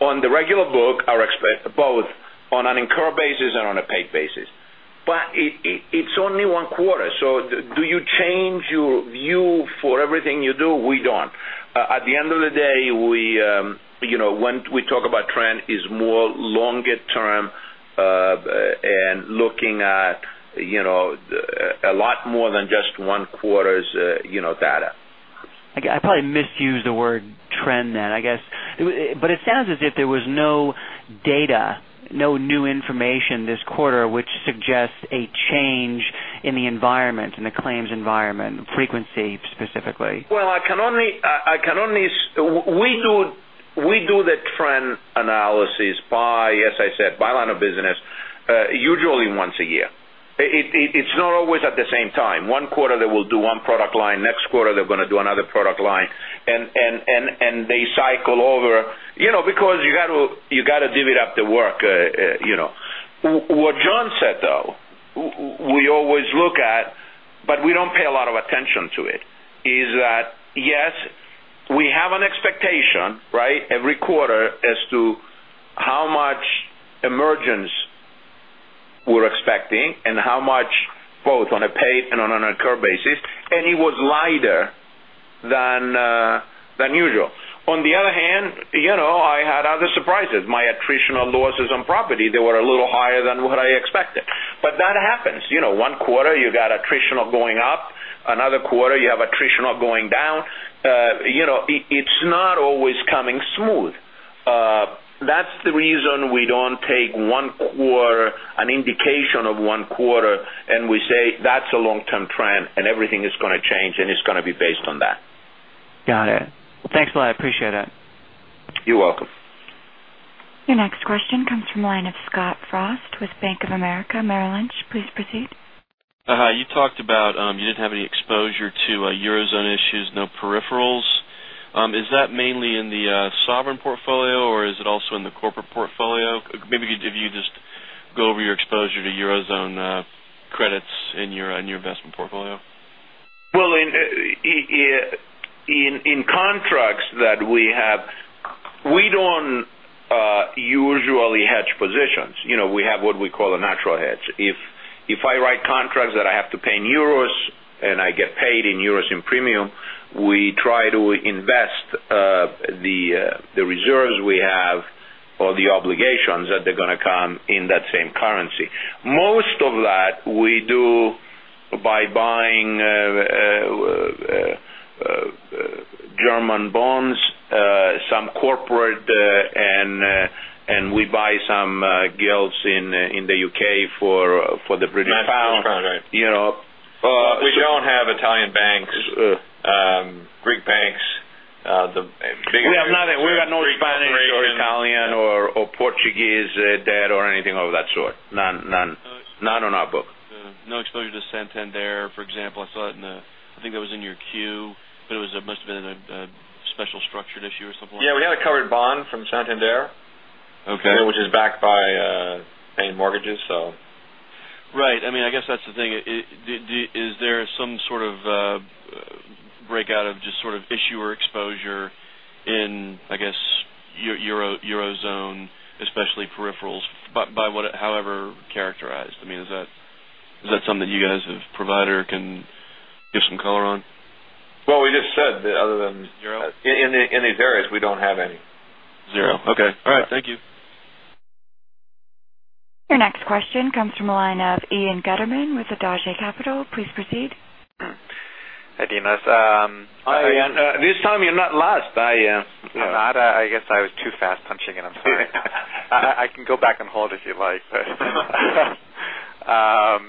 On the regular book, both on an incurred basis and on a paid basis. It's only one quarter. Do you change your view for everything you do? We don't. At the end of the day, when we talk about trend is more longer term, and looking at a lot more than just one quarter's data. Okay. I probably misused the word trend then, I guess. It sounds as if there was no data, no new information this quarter which suggests a change in the environment, in the claims environment, frequency specifically. Well, we do the trend analysis by, as I said, by line of business, usually once a year. It's not always at the same time. One quarter they will do one product line, next quarter they're going to do another product line, and they cycle over because you got to divvy up the work. What John said, though, we always look at, but we don't pay a lot of attention to it, is that, yes, we have an expectation every quarter as to how much emergence we're expecting and how much both on a paid and on an incurred basis. It was lighter than usual. On the other hand, I had other surprises. My attritional losses on property, they were a little higher than what I expected. That happens. One quarter you got attritional going up, another quarter you have attritional going down. It's not always coming smooth. That's the reason we don't take an indication of one quarter and we say that's a long-term trend and everything is going to change and it's going to be based on that. Got it. Thanks a lot. I appreciate it. You're welcome. Your next question comes from the line of Scott Frost with Bank of America Merrill Lynch. Please proceed. Hi. You talked about you didn't have any exposure to Eurozone issues, no peripherals. Is that mainly in the sovereign portfolio or is it also in the corporate portfolio? Maybe if you just go over your exposure to Eurozone credits in your investment portfolio. Well, in contracts that we have, we don't usually hedge positions. We have what we call a natural hedge. If I write contracts that I have to pay in euros and I get paid in euros in premium, we try to invest the reserves we have or the obligations that they're going to come in that same currency. Most of that we do by buying German bonds, some corporate, and we buy some gilts in the U.K. for the British pound. My balance right- You know. We don't have Italian banks, Greek banks. We have nothing. We got no Spanish or Italian or Portuguese debt or anything of that sort. None on our book. No exposure to Santander, for example. I think that was in your Q, it must have been in a special structured issue or something like that. Yeah, we have a covered bond from Santander. Okay. Which is backed by paying mortgages. Right. I guess that's the thing. Is there some sort of breakout of just sort of issuer exposure in, I guess, Eurozone, especially peripherals, by what, however characterized? Is that something that you guys have provided or can give some color on? Well, we just said that other than- Euro. In these areas, we don't have any. Zero. Okay. All right. Thank you. Your next question comes from the line of Ian Gutterman with Adage Capital. Please proceed. Hi, Dinos. Hi, Ian. This time you're not last. I'm not. I guess I was too fast punching it. I'm sorry. I can go back and hold if you'd like. A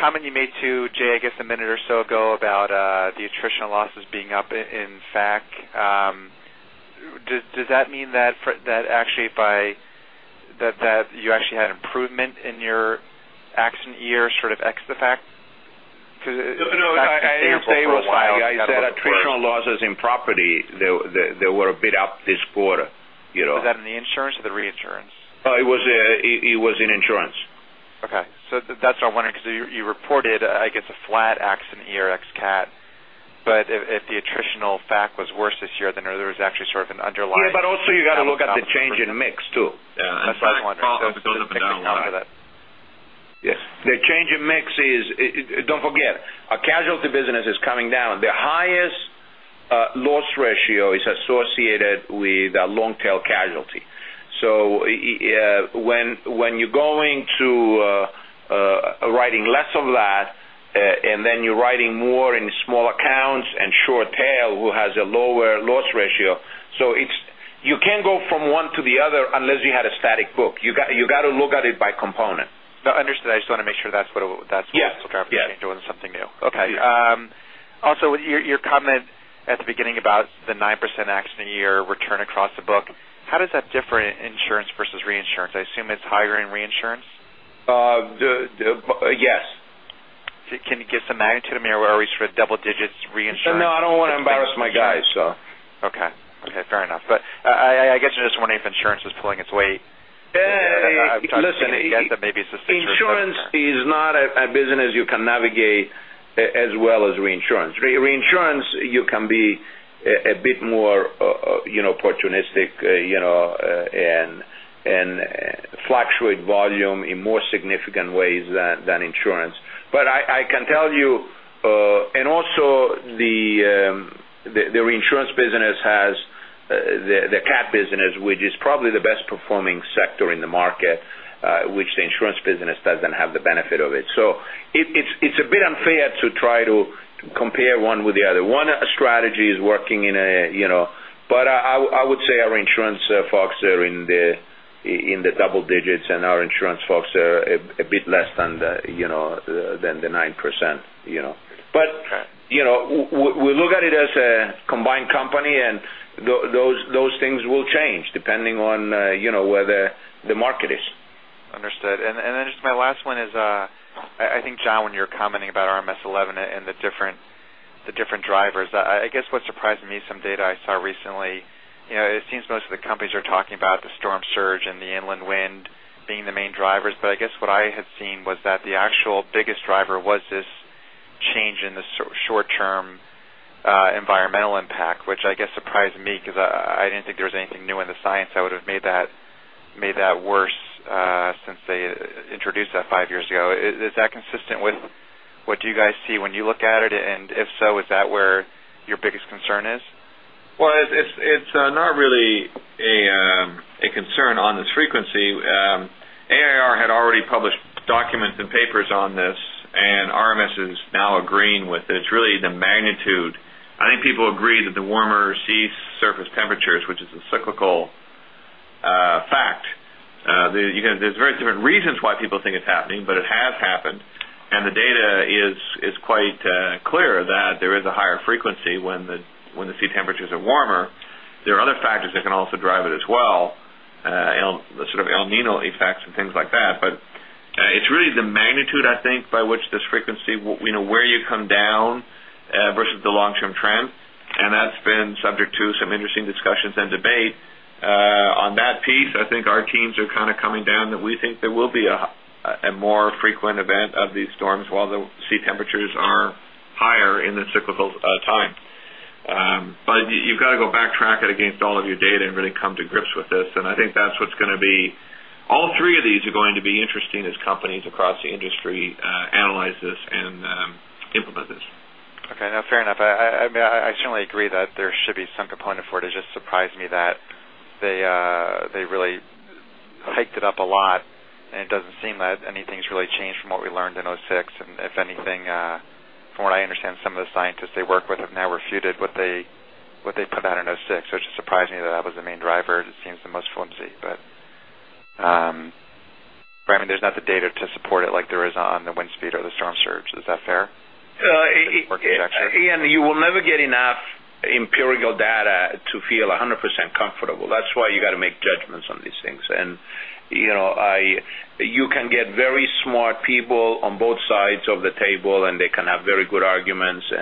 comment you made to Jay, I guess, a minute or so ago about the attritional losses being up in FAC. Does that mean that you actually had improvement in your accident year sort of ex the FAC? Because that's been stable for a while. No, I didn't say it was high. I said attritional losses in property, they were a bit up this quarter. Is that in the insurance or the reinsurance? It was in insurance. Okay. That's why I'm wondering because you reported, I guess, a flat accident year ex cat, but if the attritional FAC was worse this year, there was actually sort of an underlying- Yeah. Also you got to look at the change in mix, too. Yeah. FAC That's what I'm wondering. It goes up and down a lot. Yes. The change in mix is. Don't forget, our casualty business is coming down. The highest loss ratio is associated with long-tail casualty. When you're going to writing less of that, and then you're writing more in small accounts and short tail, who has a lower loss ratio. You can't go from one to the other unless you had a static book. You got to look at it by component. No, understood. I just want to make sure that's what. Yes. -also driving change. It wasn't something new. Okay. Your comment at the beginning about the 9% accident year return across the book, how does that differ in insurance versus reinsurance? I assume it's higher in reinsurance. Yes. Can you give some magnitude, or are we double digits reinsurance? No, I don't want to embarrass my guys. Okay. Fair enough. I guess I'm just wondering if insurance is pulling its weight. Listen- Maybe it's just insurance. Insurance is not a business you can navigate as well as reinsurance. Reinsurance, you can be a bit more opportunistic, and fluctuate volume in more significant ways than insurance. I can tell you, and also the reinsurance business has the cat business, which is probably the best performing sector in the market, which the insurance business doesn't have the benefit of it. It's a bit unfair to try to compare one with the other. One strategy is working. I would say our insurance folks are in the double digits, and our insurance folks are a bit less than the 9%. Okay. We look at it as a combined company, and those things will change depending on where the market is. Understood. Then just my last one is, I think, John, when you're commenting about RMS 11 and the different drivers, I guess what surprised me, some data I saw recently, it seems most of the companies are talking about the storm surge and the inland wind being the main drivers. I guess what I had seen was that the actual biggest driver was this change in the short-term environmental impact, which I guess surprised me because I didn't think there was anything new in the science that would have made that worse since they introduced that five years ago. Is that consistent with what you guys see when you look at it? If so, is that where your biggest concern is? Well, it's not really a concern on the frequency. AIR had already published documents and papers on this, and RMS is now agreeing with it. It's really the magnitude. I think people agree that the warmer sea surface temperatures, which is a cyclical. There's very different reasons why people think it's happening, but it has happened, and the data is quite clear that there is a higher frequency when the sea temperatures are warmer. There are other factors that can also drive it as well, the sort of El Niño effects and things like that. It's really the magnitude, I think, by which this frequency, where you come down versus the long-term trend, and that's been subject to some interesting discussions and debate. On that piece, I think our teams are kind of coming down that we think there will be a more frequent event of these storms while the sea temperatures are higher in the cyclical time. You've got to go backtrack it against all of your data and really come to grips with this. I think all three of these are going to be interesting as companies across the industry analyze this and implement this. Okay. No, fair enough. I certainly agree that there should be some component for it. It just surprised me that they really hyped it up a lot, and it doesn't seem that anything's really changed from what we learned in 2006. If anything, from what I understand, some of the scientists they work with have now refuted what they put out in 2006, so it just surprised me that that was the main driver. It just seems the most flimsy. There's not the data to support it like there is on the wind speed or the storm surge. Is that fair? Ian, you will never get enough empirical data to feel 100% comfortable. That's why you got to make judgments on these things. You can get very smart people on both sides of the table, and they can have very good arguments. By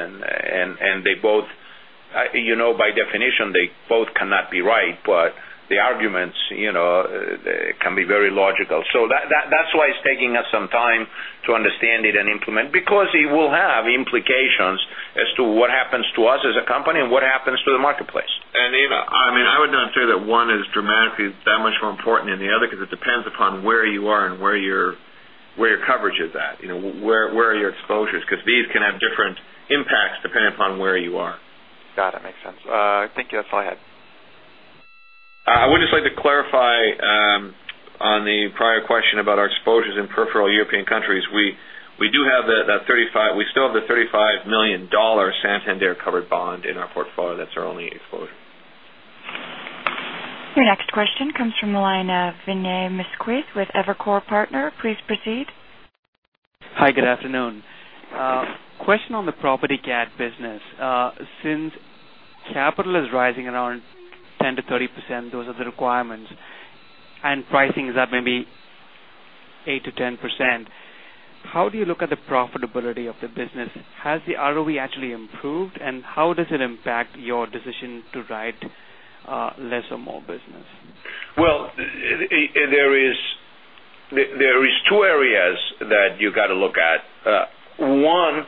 definition, they both cannot be right, but the arguments can be very logical. That's why it's taking us some time to understand it and implement, because it will have implications as to what happens to us as a company and what happens to the marketplace. Ian, I would not say that one is dramatically that much more important than the other because it depends upon where you are and where your coverage is at, where are your exposures, because these can have different impacts depending upon where you are. Got it. Makes sense. Thank you. That's all I had. I would just like to clarify on the prior question about our exposures in peripheral European countries. We still have the $35 million Santander covered bond in our portfolio. That's our only exposure. Your next question comes from the line of Vinay Misquith with Evercore Partners. Please proceed. Hi, good afternoon. Question on the property cat business. Since capital is rising around 10%-30%, those are the requirements, and pricing is up maybe 8%-10%, how do you look at the profitability of the business? Has the ROE actually improved, and how does it impact your decision to write less or more business? Well, there is two areas that you got to look at. One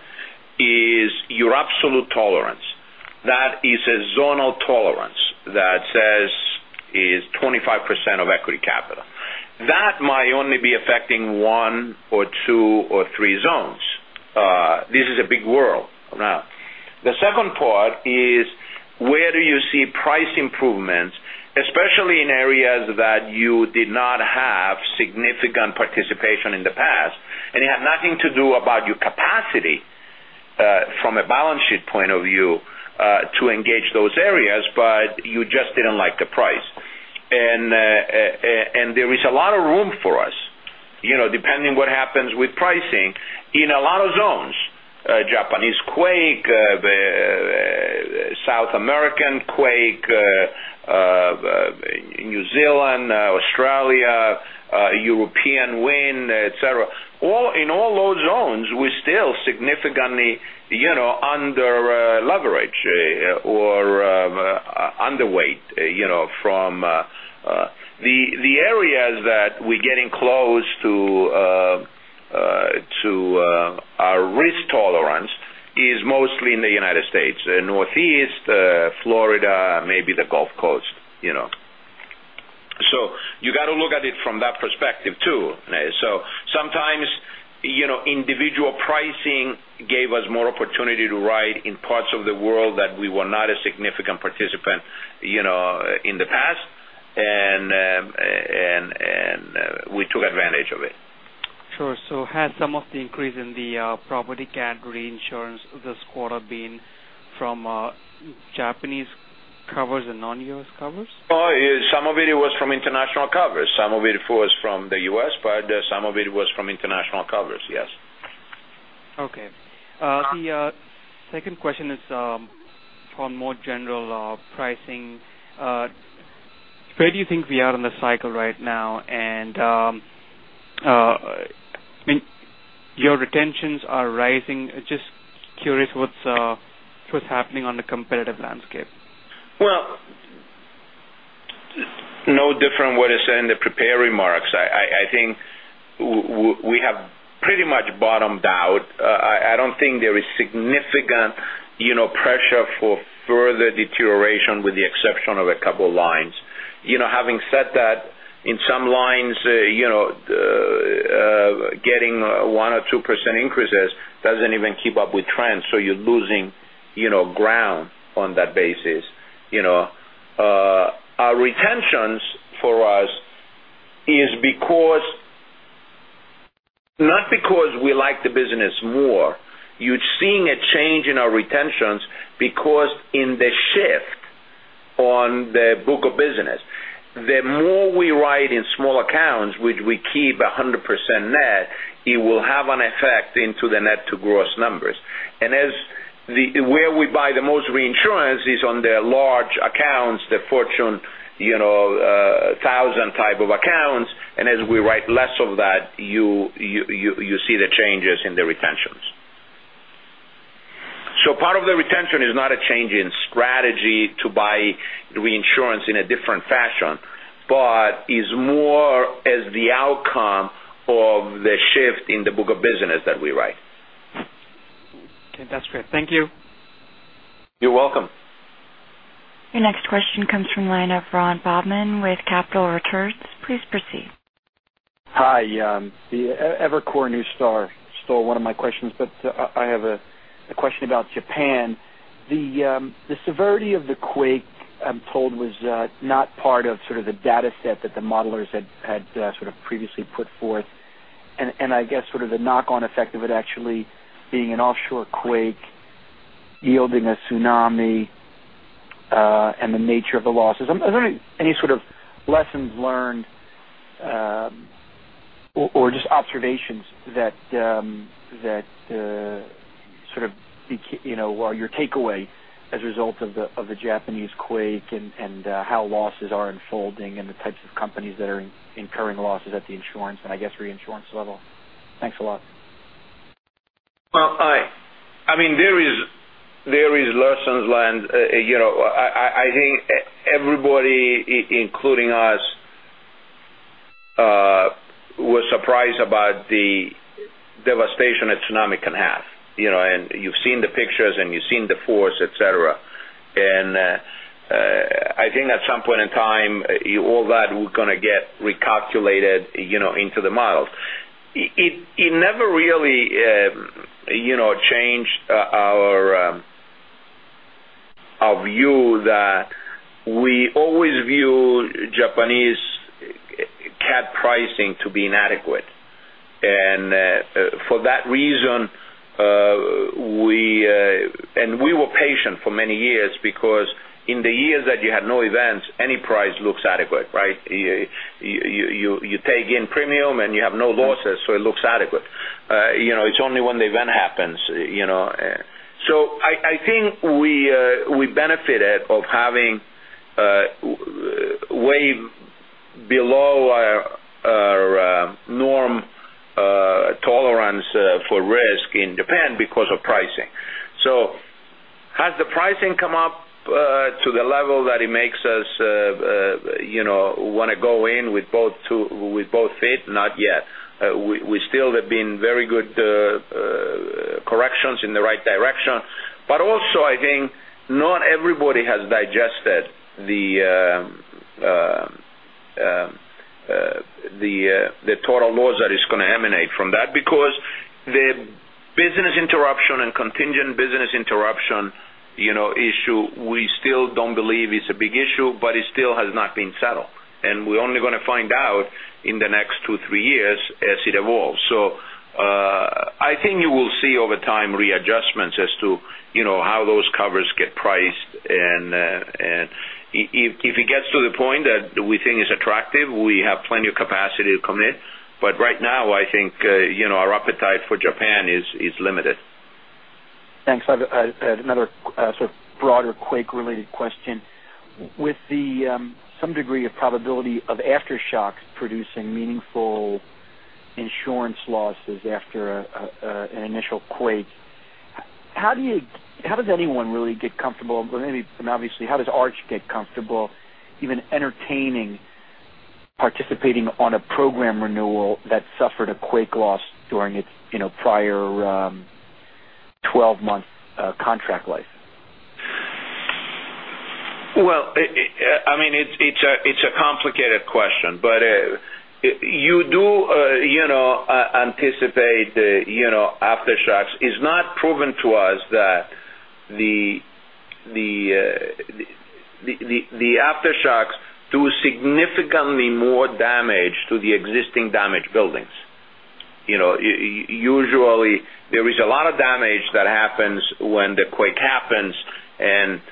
is your absolute tolerance. That is a zonal tolerance that says is 25% of equity capital. That might only be affecting one or two or three zones. This is a big world. The second part is where do you see price improvements, especially in areas that you did not have significant participation in the past and it had nothing to do about your capacity from a balance sheet point of view to engage those areas, but you just didn't like the price. There is a lot of room for us depending what happens with pricing in a lot of zones. Japanese quake, South American quake, New Zealand, Australia, European wind, et cetera. In all those zones, we're still significantly under leverage or underweight. The areas that we're getting close to our risk tolerance is mostly in the U.S., Northeast, Florida, maybe the Gulf Coast. You got to look at it from that perspective, too. Sometimes individual pricing gave us more opportunity to ride in parts of the world that we were not a significant participant in the past, and we took advantage of it. Sure. Has some of the increase in the property cat reinsurance this quarter been from Japanese covers and non-U.S. covers? Some of it was from international covers. Some of it was from the U.S., some of it was from international covers, yes. Okay. The second question is on more general pricing. Where do you think we are in the cycle right now? Your retentions are rising. Just curious what's happening on the competitive landscape. Well, no different what is said in the prepared remarks. I think we have pretty much bottomed out. I don't think there is significant pressure for further deterioration with the exception of a couple of lines. Having said that, in some lines getting 1% or 2% increases doesn't even keep up with trends, so you're losing ground on that basis. Our retentions for us is because Not because we like the business more. You're seeing a change in our retentions because in the shift on the book of business, the more we write in small accounts, which we keep 100% net, it will have an effect into the net to gross numbers. Where we buy the most reinsurance is on the large accounts, the Fortune 1000 type of accounts, and as we write less of that, you see the changes in the retentions. Part of the retention is not a change in strategy to buy reinsurance in a different fashion, but is more as the outcome of the shift in the book of business that we write. Okay. That's great. Thank you. You're welcome. Your next question comes from line of Ron Bobman with Capital Returns. Please proceed. Hi. Evercore Partners stole one of my questions, but I have a question about Japan. The severity of the quake, I'm told, was not part of sort of the data set that the modelers had sort of previously put forth. I guess sort of the knock-on effect of it actually being an offshore quake yielding a tsunami, and the nature of the losses. Are there any sort of lessons learned, or just observations that sort of, your takeaway as a result of the Japanese quake and how losses are unfolding and the types of companies that are incurring losses at the insurance and I guess reinsurance level? Thanks a lot. Well, hi. There is lessons learned. I think everybody, including us, was surprised about the devastation a tsunami can have. You've seen the pictures, and you've seen the force, et cetera. I think at some point in time, all that going to get recalculated into the models. It never really changed our view that we always view Japanese cat pricing to be inadequate. For that reason, and we were patient for many years because in the years that you had no events, any price looks adequate, right? You take in premium and you have no losses, so it looks adequate. It's only when the event happens. I think we benefited of having way below our norm tolerance for risk in Japan because of pricing. Has the pricing come up to the level that it makes us want to go in with both feet? Not yet. We still have been very good corrections in the right direction. Also, I think not everybody has digested the total loss that is going to emanate from that because the business interruption and contingent business interruption issue, we still don't believe is a big issue, but it still has not been settled. We're only going to find out in the next two, three years as it evolves. I think you will see over time readjustments as to how those covers get priced. If it gets to the point that we think is attractive, we have plenty of capacity to come in. Right now, I think our appetite for Japan is limited. Thanks. I have another sort of broader quake-related question. With some degree of probability of aftershocks producing meaningful insurance losses after an initial quake, how does anyone really get comfortable, and obviously, how does Arch get comfortable even entertaining participating on a program renewal that suffered a quake loss during its prior 12-month contract life? Well, it's a complicated question, you do anticipate aftershocks. It's not proven to us that the aftershocks do significantly more damage to the existing damaged buildings. Usually, there is a lot of damage that happens when the quake happens, when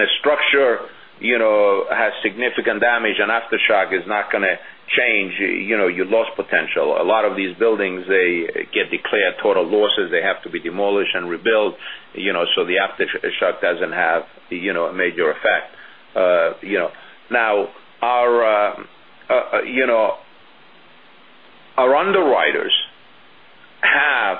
a structure has significant damage, an aftershock is not going to change your loss potential. A lot of these buildings, they get declared total losses. They have to be demolished and rebuilt so the aftershock doesn't have a major effect. Our underwriters have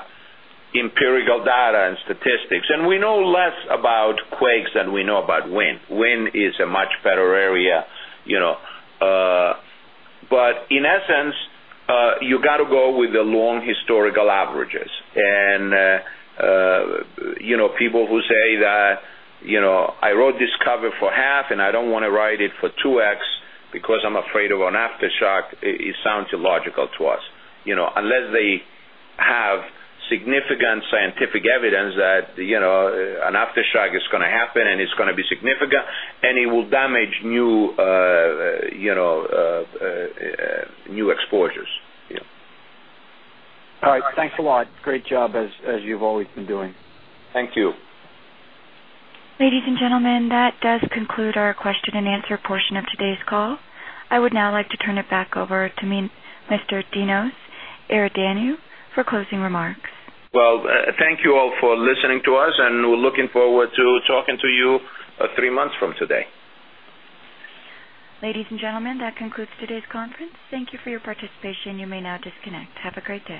empirical data and statistics, we know less about quakes than we know about wind. Wind is a much better area. In essence, you got to go with the long historical averages. People who say that, "I wrote this cover for half, and I don't want to write it for 2x because I'm afraid of an aftershock," it sounds illogical to us. Unless they have significant scientific evidence that an aftershock is going to happen and it's going to be significant, and it will damage new exposures. All right. Thanks a lot. Great job as you've always been doing. Thank you. Ladies and gentlemen, that does conclude our question-and-answer portion of today's call. I would now like to turn it back over to Mr. Dinos Iordanou for closing remarks. Well, thank you all for listening to us, and we're looking forward to talking to you three months from today. Ladies and gentlemen, that concludes today's conference. Thank you for your participation. You may now disconnect. Have a great day.